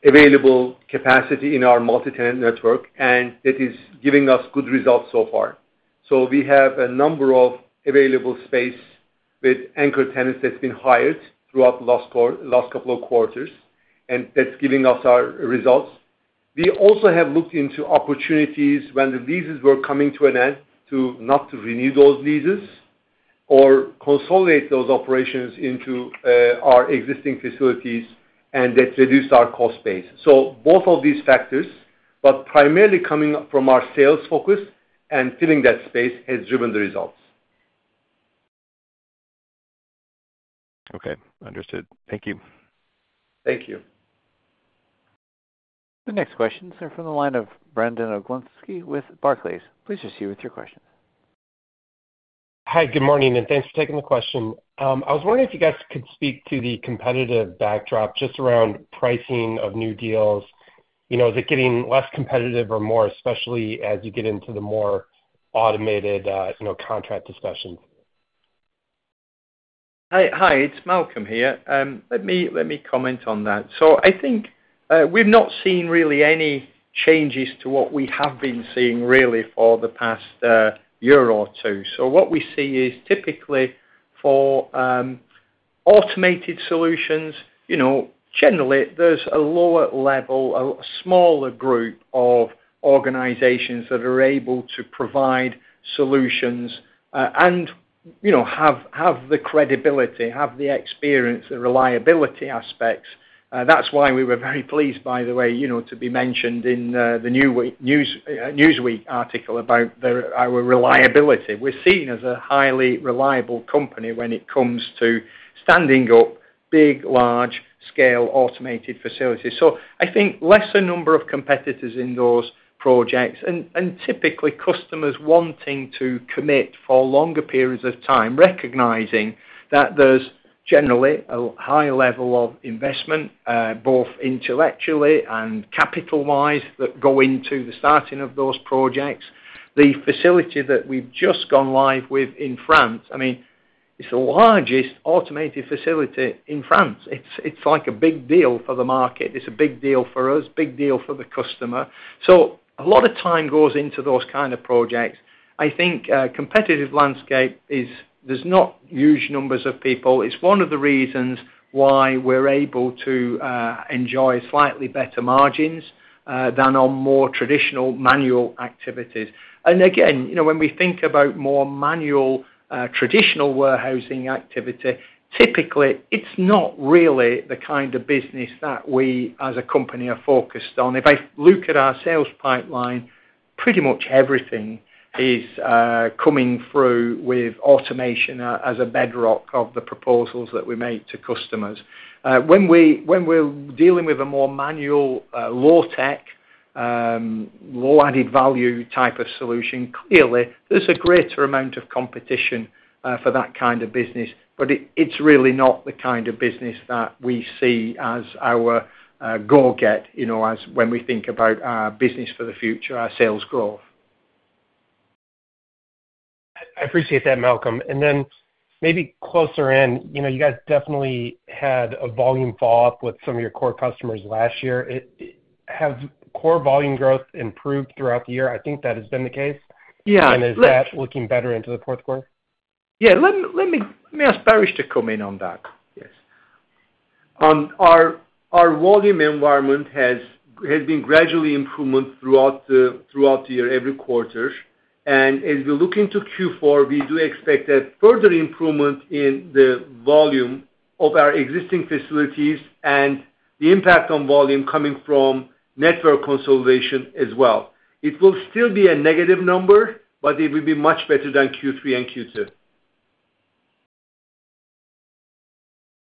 available capacity in our multi-tenant network, and it is giving us good results so far. So we have a number of available space with anchor tenants that's been hired throughout the last couple of quarters, and that's giving us our results. We also have looked into opportunities when the leases were coming to an end to not renew those leases or consolidate those operations into our existing facilities, and that reduced our cost base. So both of these factors, but primarily coming from our sales focus and filling that space, has driven the results. Okay. Understood. Thank you. Thank you. The next questions are from the line of Brandon Oglensky with Barclays. Please proceed with your questions. Hi, good morning, and thanks for taking the question. I was wondering if you guys could speak to the competitive backdrop just around pricing of new deals. Is it getting less competitive or more, especially as you get into the more automated contract discussions? Hi, it's Malcolm here. Let me comment on that. So I think we've not seen really any changes to what we have been seeing really for the past year or two. So what we see is typically for automated solutions, generally, there's a lower level, a smaller group of organizations that are able to provide solutions and have the credibility, have the experience, the reliability aspects. That's why we were very pleased, by the way, to be mentioned in the Newsweek article about our reliability. We're seen as a highly reliable company when it comes to standing up big, large-scale automated facilities. So I think lesser number of competitors in those projects and typically customers wanting to commit for longer periods of time, recognizing that there's generally a high level of investment, both intellectually and capital-wise, that go into the starting of those projects. The facility that we've just gone live with in France, I mean, it's the largest automated facility in France. It's like a big deal for the market. It's a big deal for us, big deal for the customer. So a lot of time goes into those kind of projects. I think competitive landscape is there's not huge numbers of people. It's one of the reasons why we're able to enjoy slightly better margins than on more traditional manual activities. And again, when we think about more manual traditional warehousing activity, typically, it's not really the kind of business that we as a company are focused on. If I look at our sales pipeline, pretty much everything is coming through with automation as a bedrock of the proposals that we make to customers. When we're dealing with a more manual low-tech, low-added value type of solution, clearly, there's a greater amount of competition for that kind of business, but it's really not the kind of business that we see as our goal to get when we think about our business for the future, our sales growth. I appreciate that, Malcolm. And then maybe closer in, you guys definitely had a volume fall off with some of your core customers last year. Has core volume growth improved throughout the year? I think that has been the case. Yeah. Is that looking better into the fourth quarter? Yeah. Let me ask Baris to come in on that. Yes. Our volume environment has been gradually improving throughout the year, every quarter, and as we're looking to Q4, we do expect a further improvement in the volume of our existing facilities and the impact on volume coming from network consolidation as well. It will still be a negative number, but it will be much better than Q3 and Q2.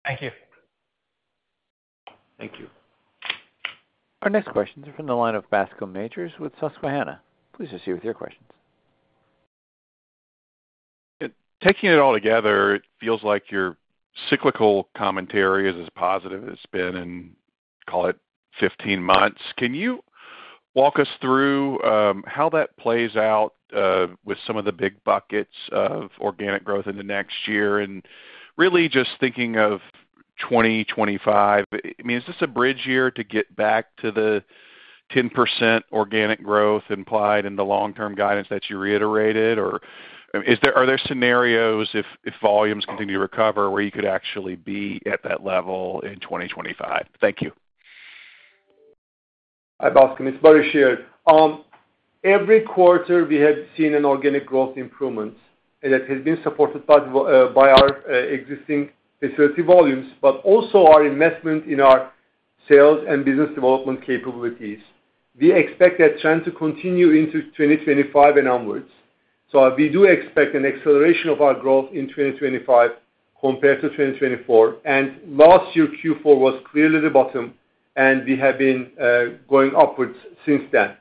Thank you. Thank you. Our next questions are from the line of Bascom Majors with Susquehanna. Please proceed with your questions. Taking it all together, it feels like your cyclical commentary is as positive as it's been in, call it, 15 months. Can you walk us through how that plays out with some of the big buckets of organic growth in the next year? And really just thinking of 2025, I mean, is this a bridge year to get back to the 10% organic growth implied in the long-term guidance that you reiterated? Or are there scenarios, if volumes continue to recover, where you could actually be at that level in 2025? Thank you. Hi, Bascom. It's Baris here. Every quarter, we have seen an organic growth improvement that has been supported by our existing facility volumes, but also our investment in our sales and business development capabilities. We expect that trend to continue into 2025 and onward, so we do expect an acceleration of our growth in 2025 compared to 2024, and last year, Q4 was clearly the bottom, and we have been going upwards since then.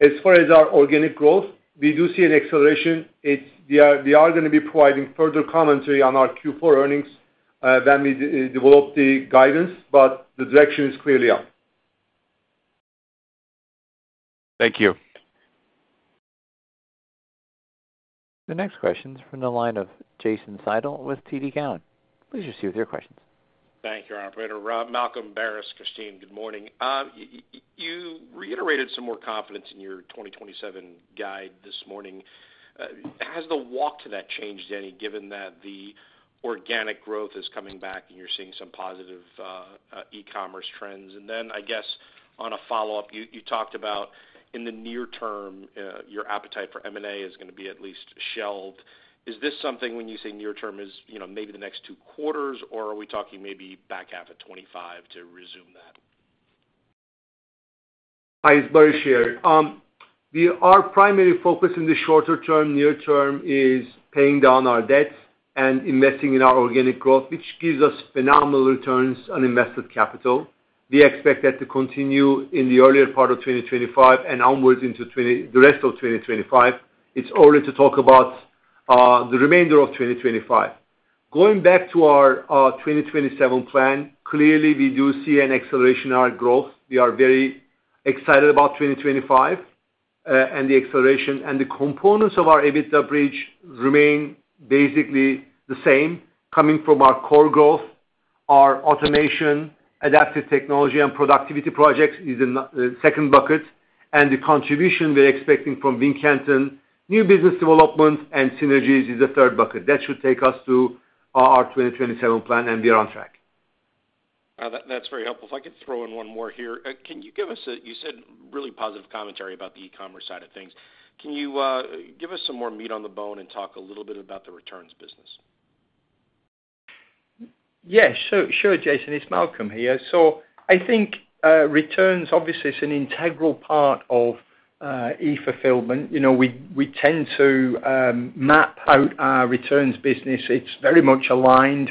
As far as our organic growth, we do see an acceleration. We are going to be providing further commentary on our Q4 earnings when we develop the guidance, but the direction is clearly up. Thank you. The next question is from the line of Jason Seidl with TD Cowen. Please proceed with your questions. Thank you, our operator. Malcolm, Baris, Kristine, good morning. You reiterated some more confidence in your 2027 guide this morning. Has the walk to that changed any, given that the organic growth is coming back and you're seeing some positive e-commerce trends? And then, I guess, on a follow-up, you talked about in the near term, your appetite for M&A is going to be at least shelved. Is this something when you say near term is maybe the next two quarters, or are we talking maybe back half of 2025 to resume that? Hi, it's Baris here. Our primary focus in the shorter term, near term, is paying down our debt and investing in our organic growth, which gives us phenomenal returns on invested capital. We expect that to continue in the earlier part of 2025 and onwards into the rest of 2025. It's early to talk about the remainder of 2025. Going back to our 2027 plan, clearly, we do see an acceleration in our growth. We are very excited about 2025 and the acceleration, and the components of our EBITDA bridge remain basically the same. Coming from our core growth, our automation, adaptive technology, and productivity projects is the second bucket, and the contribution we're expecting from Wincanton New Business Development and synergies is the third bucket. That should take us to our 2027 plan, and we are on track. That's very helpful. If I could throw in one more here. Can you give us a—you said really positive commentary about the e-commerce side of things? Can you give us some more meat on the bone and talk a little bit about the returns business? Yes. Sure, Jason. It's Malcolm here. So I think returns, obviously, is an integral part of e-fulfillment. We tend to map out our returns business. It's very much aligned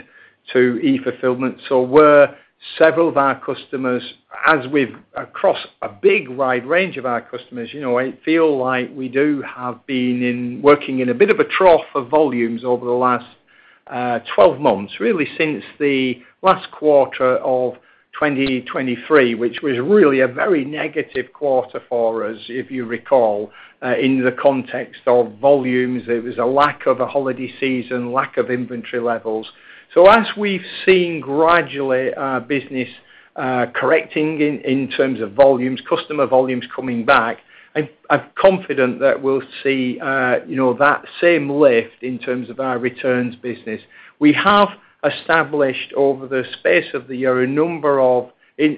to e-fulfillment. So where several of our customers, as with across a big wide range of our customers, I feel like we do have been working in a bit of a trough of volumes over the last 12 months, really since the last quarter of 2023, which was really a very negative quarter for us, if you recall, in the context of volumes. There was a lack of a holiday season, lack of inventory levels. So as we've seen gradually our business correcting in terms of volumes, customer volumes coming back, I'm confident that we'll see that same lift in terms of our returns business. We have established over the space of the year a number of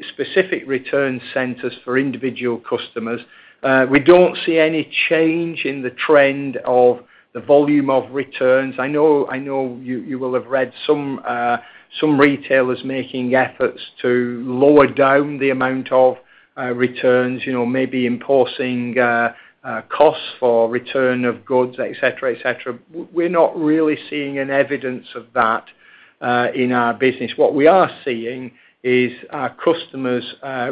specific return centers for individual customers. We don't see any change in the trend of the volume of returns. I know you will have read some retailers making efforts to lower down the amount of returns, maybe imposing costs for return of goods, etc., etc. We're not really seeing any evidence of that in our business. What we are seeing is our customers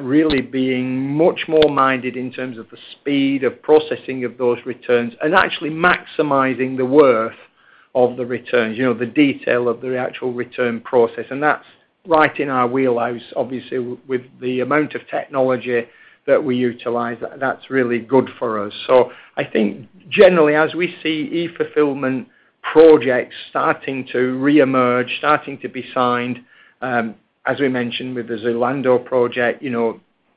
really being much more mindful in terms of the speed of processing of those returns and actually maximizing the worth of the returns, the detail of the actual return process, and that's right in our wheelhouse, obviously, with the amount of technology that we utilize. That's really good for us. I think, generally, as we see e-fulfillment projects starting to reemerge, starting to be signed, as we mentioned with the Zalando project,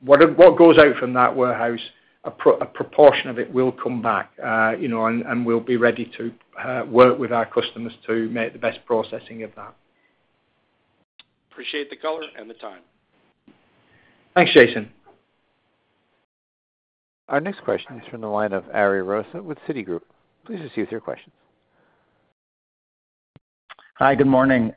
what goes out from that warehouse, a proportion of it will come back, and we'll be ready to work with our customers to make the best processing of that. Appreciate the color and the time. Thanks, Jason. Our next question is from the line of Ari Rosa with Citigroup. Please proceed with your questions. Hi, good morning.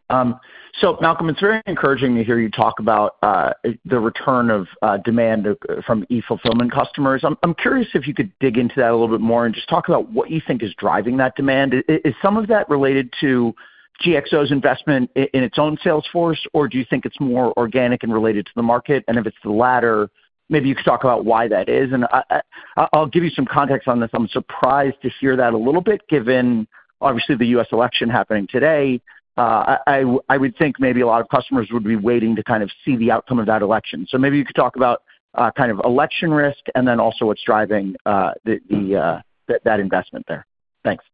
So, Malcolm, it's very encouraging to hear you talk about the return of demand from e-fulfillment customers. I'm curious if you could dig into that a little bit more and just talk about what you think is driving that demand. Is some of that related to GXO's investment in its own sales force, or do you think it's more organic and related to the market? And if it's the latter, maybe you could talk about why that is. And I'll give you some context on this. I'm surprised to hear that a little bit, given, obviously, the U.S. election happening today. I would think maybe a lot of customers would be waiting to kind of see the outcome of that election. So maybe you could talk about kind of election risk and then also what's driving that investment there. Thanks.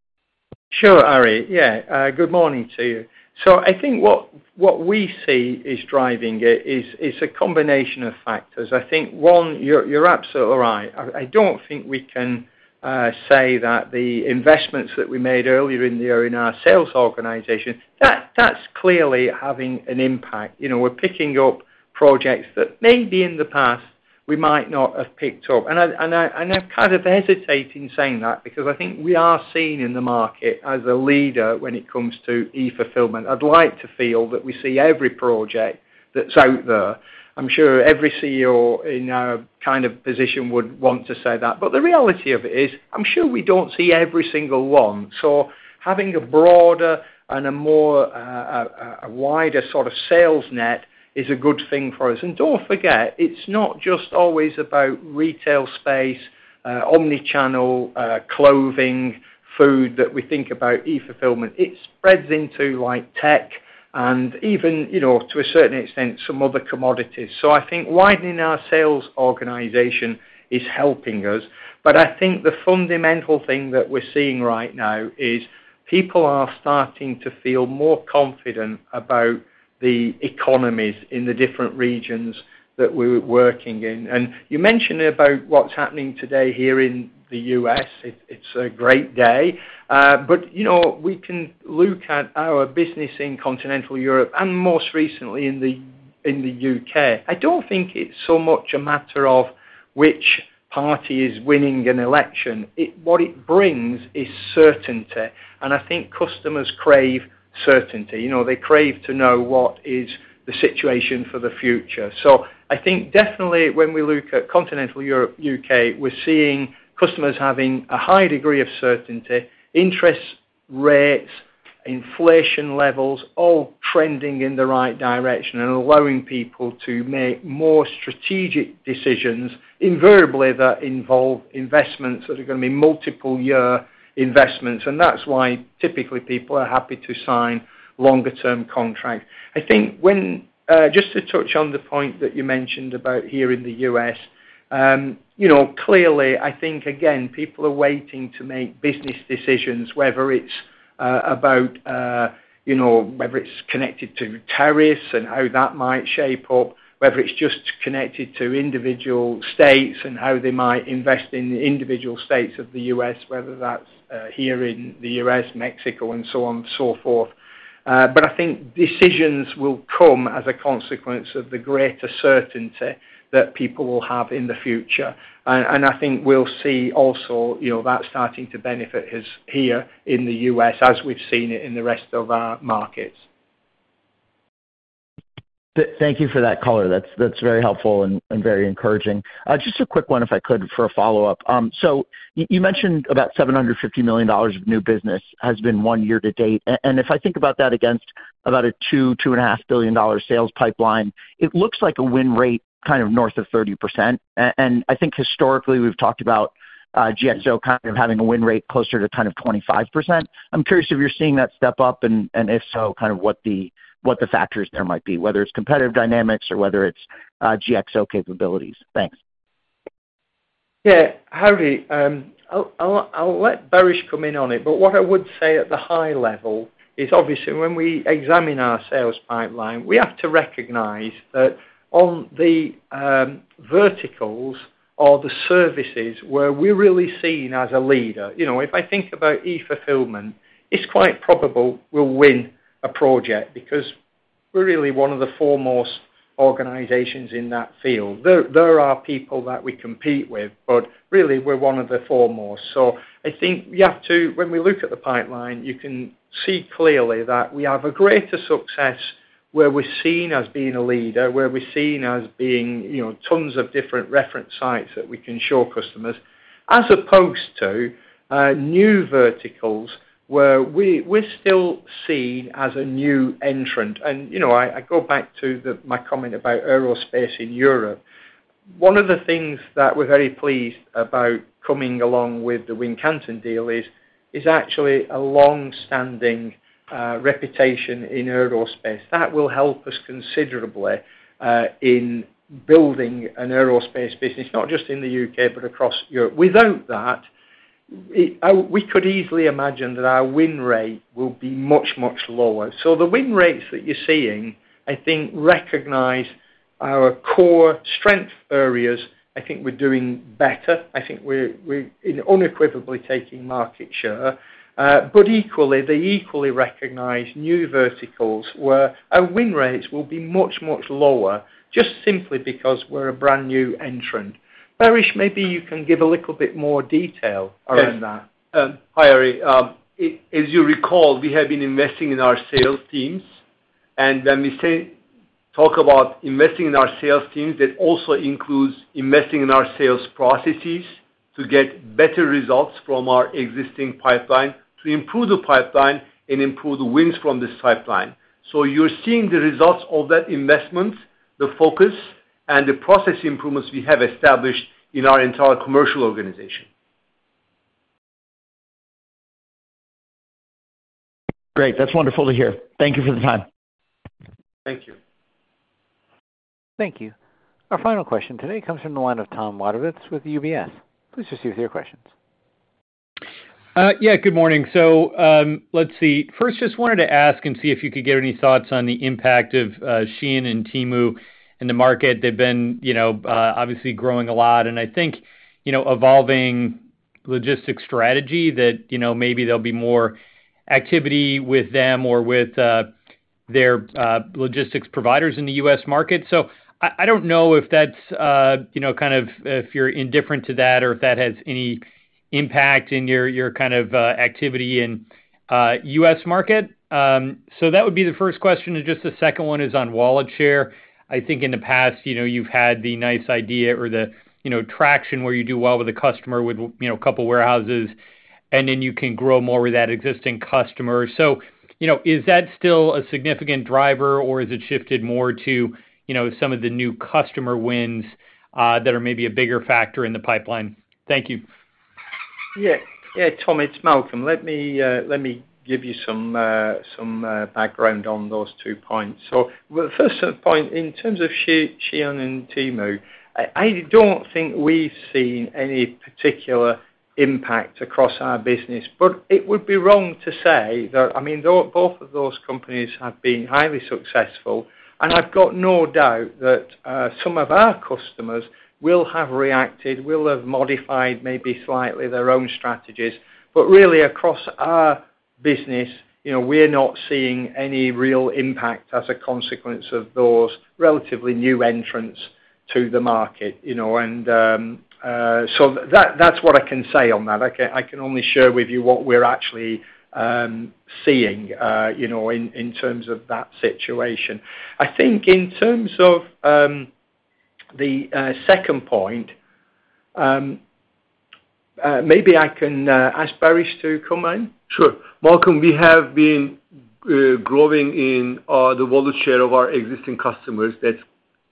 Sure, Ari. Yeah. Good morning to you. So I think what we see is driving it is a combination of factors. I think, one, you're absolutely right. I don't think we can say that the investments that we made earlier in the year in our sales organization. That's clearly having an impact. We're picking up projects that maybe in the past we might not have picked up. And I'm kind of hesitating saying that because I think we are seen in the market as a leader when it comes to e-fulfillment. I'd like to feel that we see every project that's out there. I'm sure every CEO in our kind of position would want to say that. But the reality of it is I'm sure we don't see every single one. So having a broader and a wider sort of sales net is a good thing for us. And don't forget, it's not just always about retail space, omnichannel, clothing, food that we think about e-fulfillment. It spreads into tech and even, to a certain extent, some other commodities. So I think widening our sales organization is helping us. But I think the fundamental thing that we're seeing right now is people are starting to feel more confident about the economies in the different regions that we're working in. And you mentioned about what's happening today here in the U.S. It's a great day. But we can look at our business in Continental Europe and most recently in the U.K. I don't think it's so much a matter of which party is winning an election. What it brings is certainty. And I think customers crave certainty. They crave to know what is the situation for the future. So I think definitely when we look at Continental Europe, U.K., we're seeing customers having a high degree of certainty. Interest rates, inflation levels, all trending in the right direction and allowing people to make more strategic decisions, invariably that involve investments that are going to be multiple-year investments. And that's why typically people are happy to sign longer-term contracts. I think just to touch on the point that you mentioned about here in the U.S., clearly, I think, again, people are waiting to make business decisions, whether it's connected to tariffs and how that might shape up, whether it's just connected to individual states and how they might invest in the individual states of the U.S., whether that's here in the U.S., Mexico, and so on and so forth. But I think decisions will come as a consequence of the greater certainty that people will have in the future. And I think we'll see also that starting to benefit here in the U.S. as we've seen it in the rest of our markets. Thank you for that color. That's very helpful and very encouraging. Just a quick one, if I could, for a follow-up. So you mentioned about $750 million of new business has been won year to date. And if I think about that against about a $2-$2.5 billion sales pipeline, it looks like a win rate kind of north of 30%. And I think historically we've talked about GXO kind of having a win rate closer to kind of 25%. I'm curious if you're seeing that step up and if so, kind of what the factors there might be, whether it's competitive dynamics or whether it's GXO capabilities. Thanks. Yeah. Ari, I'll let Baris come in on it. But what I would say at the high level is obviously when we examine our sales pipeline, we have to recognize that on the verticals or the services where we're really seen as a leader, if I think about e-fulfillment, it's quite probable we'll win a project because we're really one of the foremost organizations in that field. There are people that we compete with, but really we're one of the foremost. So I think you have to, when we look at the pipeline, you can see clearly that we have a greater success where we're seen as being a leader, where we're seen as being tons of different reference sites that we can show customers, as opposed to new verticals where we're still seen as a new entrant. And I go back to my comment about aerospace in Europe. One of the things that we're very pleased about coming along with the Wincanton deal is actually a long-standing reputation in aerospace that will help us considerably in building an aerospace business, not just in the U.K., but across Europe. Without that, we could easily imagine that our win rate will be much, much lower. So the win rates that you're seeing, I think, recognize our core strength areas. I think we're doing better. I think we're unequivocally taking market share. But equally, they equally recognize new verticals where our win rates will be much, much lower just simply because we're a brand new entrant. Baris, maybe you can give a little bit more detail around that. Hi, Ari. As you recall, we have been investing in our sales teams. And when we talk about investing in our sales teams, that also includes investing in our sales processes to get better results from our existing pipeline, to improve the pipeline and improve the wins from this pipeline. So you're seeing the results of that investment, the focus, and the process improvements we have established in our entire commercial organization. Great. That's wonderful to hear. Thank you for the time. Thank you. Thank you. Our final question today comes from the line of Tom Wadewitz with UBS. Please proceed with your questions. Yeah. Good morning, so let's see. First, just wanted to ask and see if you could get any thoughts on the impact of Shein and Temu in the market. They've been obviously growing a lot. And I think evolving logistics strategy that maybe there'll be more activity with them or with their logistics providers in the U.S. market. So I don't know if that's kind of if you're indifferent to that or if that has any impact in your kind of activity in U.S. market. So that would be the first question, and just the second one is on wallet share. I think in the past, you've had the nice idea or the traction where you do well with a customer with a couple of warehouses, and then you can grow more with that existing customer. So is that still a significant driver, or has it shifted more to some of the new customer wins that are maybe a bigger factor in the pipeline? Thank you. Yeah. Yeah, Tom, it's Malcolm. Let me give you some background on those two points. The first point, in terms of Shein and Temu, I don't think we've seen any particular impact across our business. But it would be wrong to say that. I mean, both of those companies have been highly successful. And I've got no doubt that some of our customers will have reacted, will have modified maybe slightly their own strategies. But really, across our business, we're not seeing any real impact as a consequence of those relatively new entrants to the market. And so that's what I can say on that. I can only share with you what we're actually seeing in terms of that situation. I think in terms of the second point, maybe I can ask Baris to come in. Sure. Malcolm, we have been growing in the wallet share of our existing customers. That's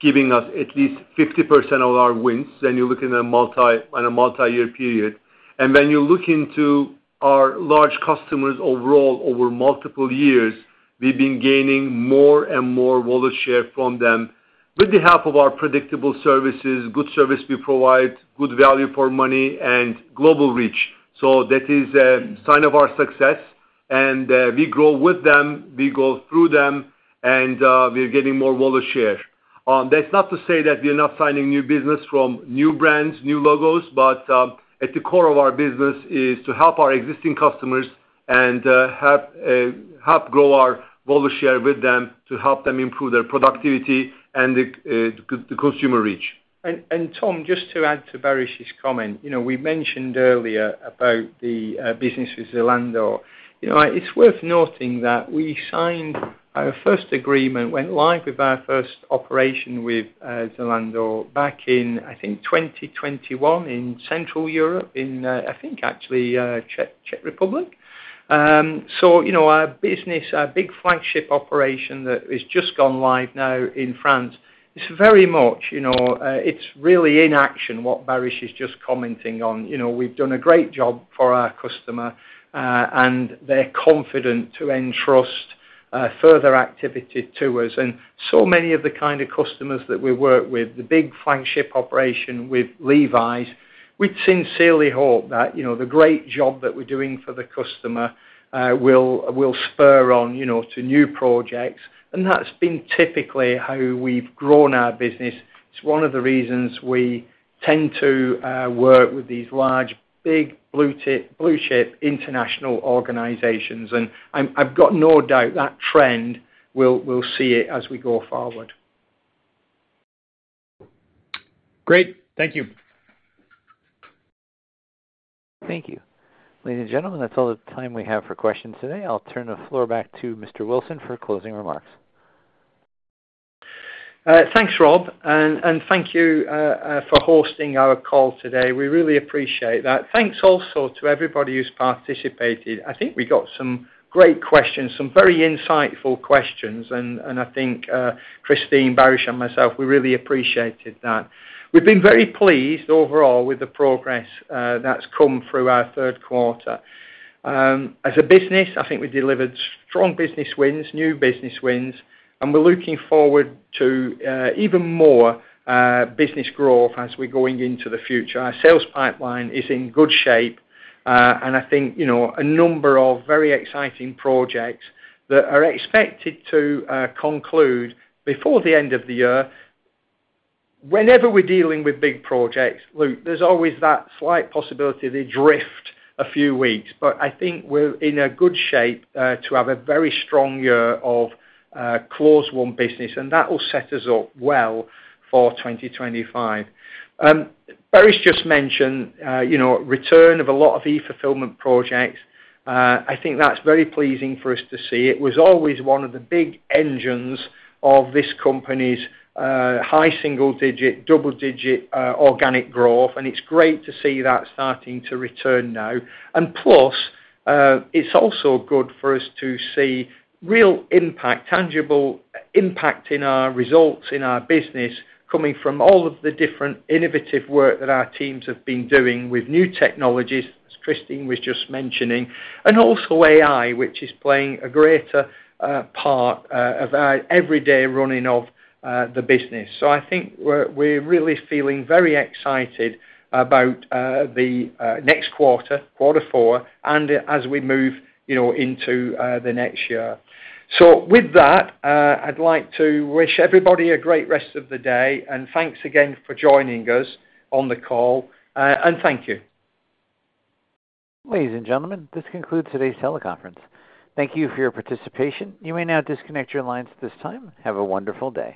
giving us at least 50% of our wins when you're looking at a multi-year period. And when you look into our large customers overall over multiple years, we've been gaining more and more wallet share from them with the help of our predictable services, good service we provide, good value for money, and global reach. So that is a sign of our success. And we grow with them. We go through them, and we're getting more wallet share. That's not to say that we're not signing new business from new brands, new logos, but at the core of our business is to help our existing customers and help grow our wallet share with them to help them improve their productivity and the consumer reach. And Tom, just to add to Baris's comment, we mentioned earlier about the business with Zalando. It's worth noting that we signed our first agreement, went live with our first operation with Zalando back in, I think, 2021 in Central Europe in, I think, actually Czech Republic. So our business, our big flagship operation that has just gone live now in France, it's very much really in action what Baris is just commenting on. We've done a great job for our customer, and they're confident to entrust further activity to us. And so many of the kind of customers that we work with, the big flagship operation with Levi's, we'd sincerely hope that the great job that we're doing for the customer will spur on to new projects. And that's been typically how we've grown our business. It's one of the reasons we tend to work with these large, big blue-chip international organizations, and I've got no doubt that trend, we'll see it as we go forward. Great. Thank you. Thank you. Ladies and gentlemen, that's all the time we have for questions today. I'll turn the floor back to Mr. Wilson for closing remarks. Thanks, Rob. And thank you for hosting our call today. We really appreciate that. Thanks also to everybody who's participated. I think we got some great questions, some very insightful questions. And I think Kristine, Baris, and myself, we really appreciated that. We've been very pleased overall with the progress that's come through our third quarter. As a business, I think we delivered strong business wins, new business wins. And we're looking forward to even more business growth as we're going into the future. Our sales pipeline is in good shape. And I think a number of very exciting projects that are expected to conclude before the end of the year. Whenever we're dealing with big projects, look, there's always that slight possibility they drift a few weeks. But I think we're in a good shape to have a very strong year of closed-won business. That will set us up well for 2025. Baris just mentioned return of a lot of e-fulfillment projects. I think that's very pleasing for us to see. It was always one of the big engines of this company's high single-digit, double-digit organic growth. And it's great to see that starting to return now. And plus, it's also good for us to see real impact, tangible impact in our results, in our business coming from all of the different innovative work that our teams have been doing with new technologies, as Kristine was just mentioning, and also AI, which is playing a greater part of our everyday running of the business. So I think we're really feeling very excited about the next quarter, quarter four, and as we move into the next year. So with that, I'd like to wish everybody a great rest of the day. Thanks again for joining us on the call. Thank you. Ladies and gentlemen, this concludes today's teleconference. Thank you for your participation. You may now disconnect your lines at this time. Have a wonderful day.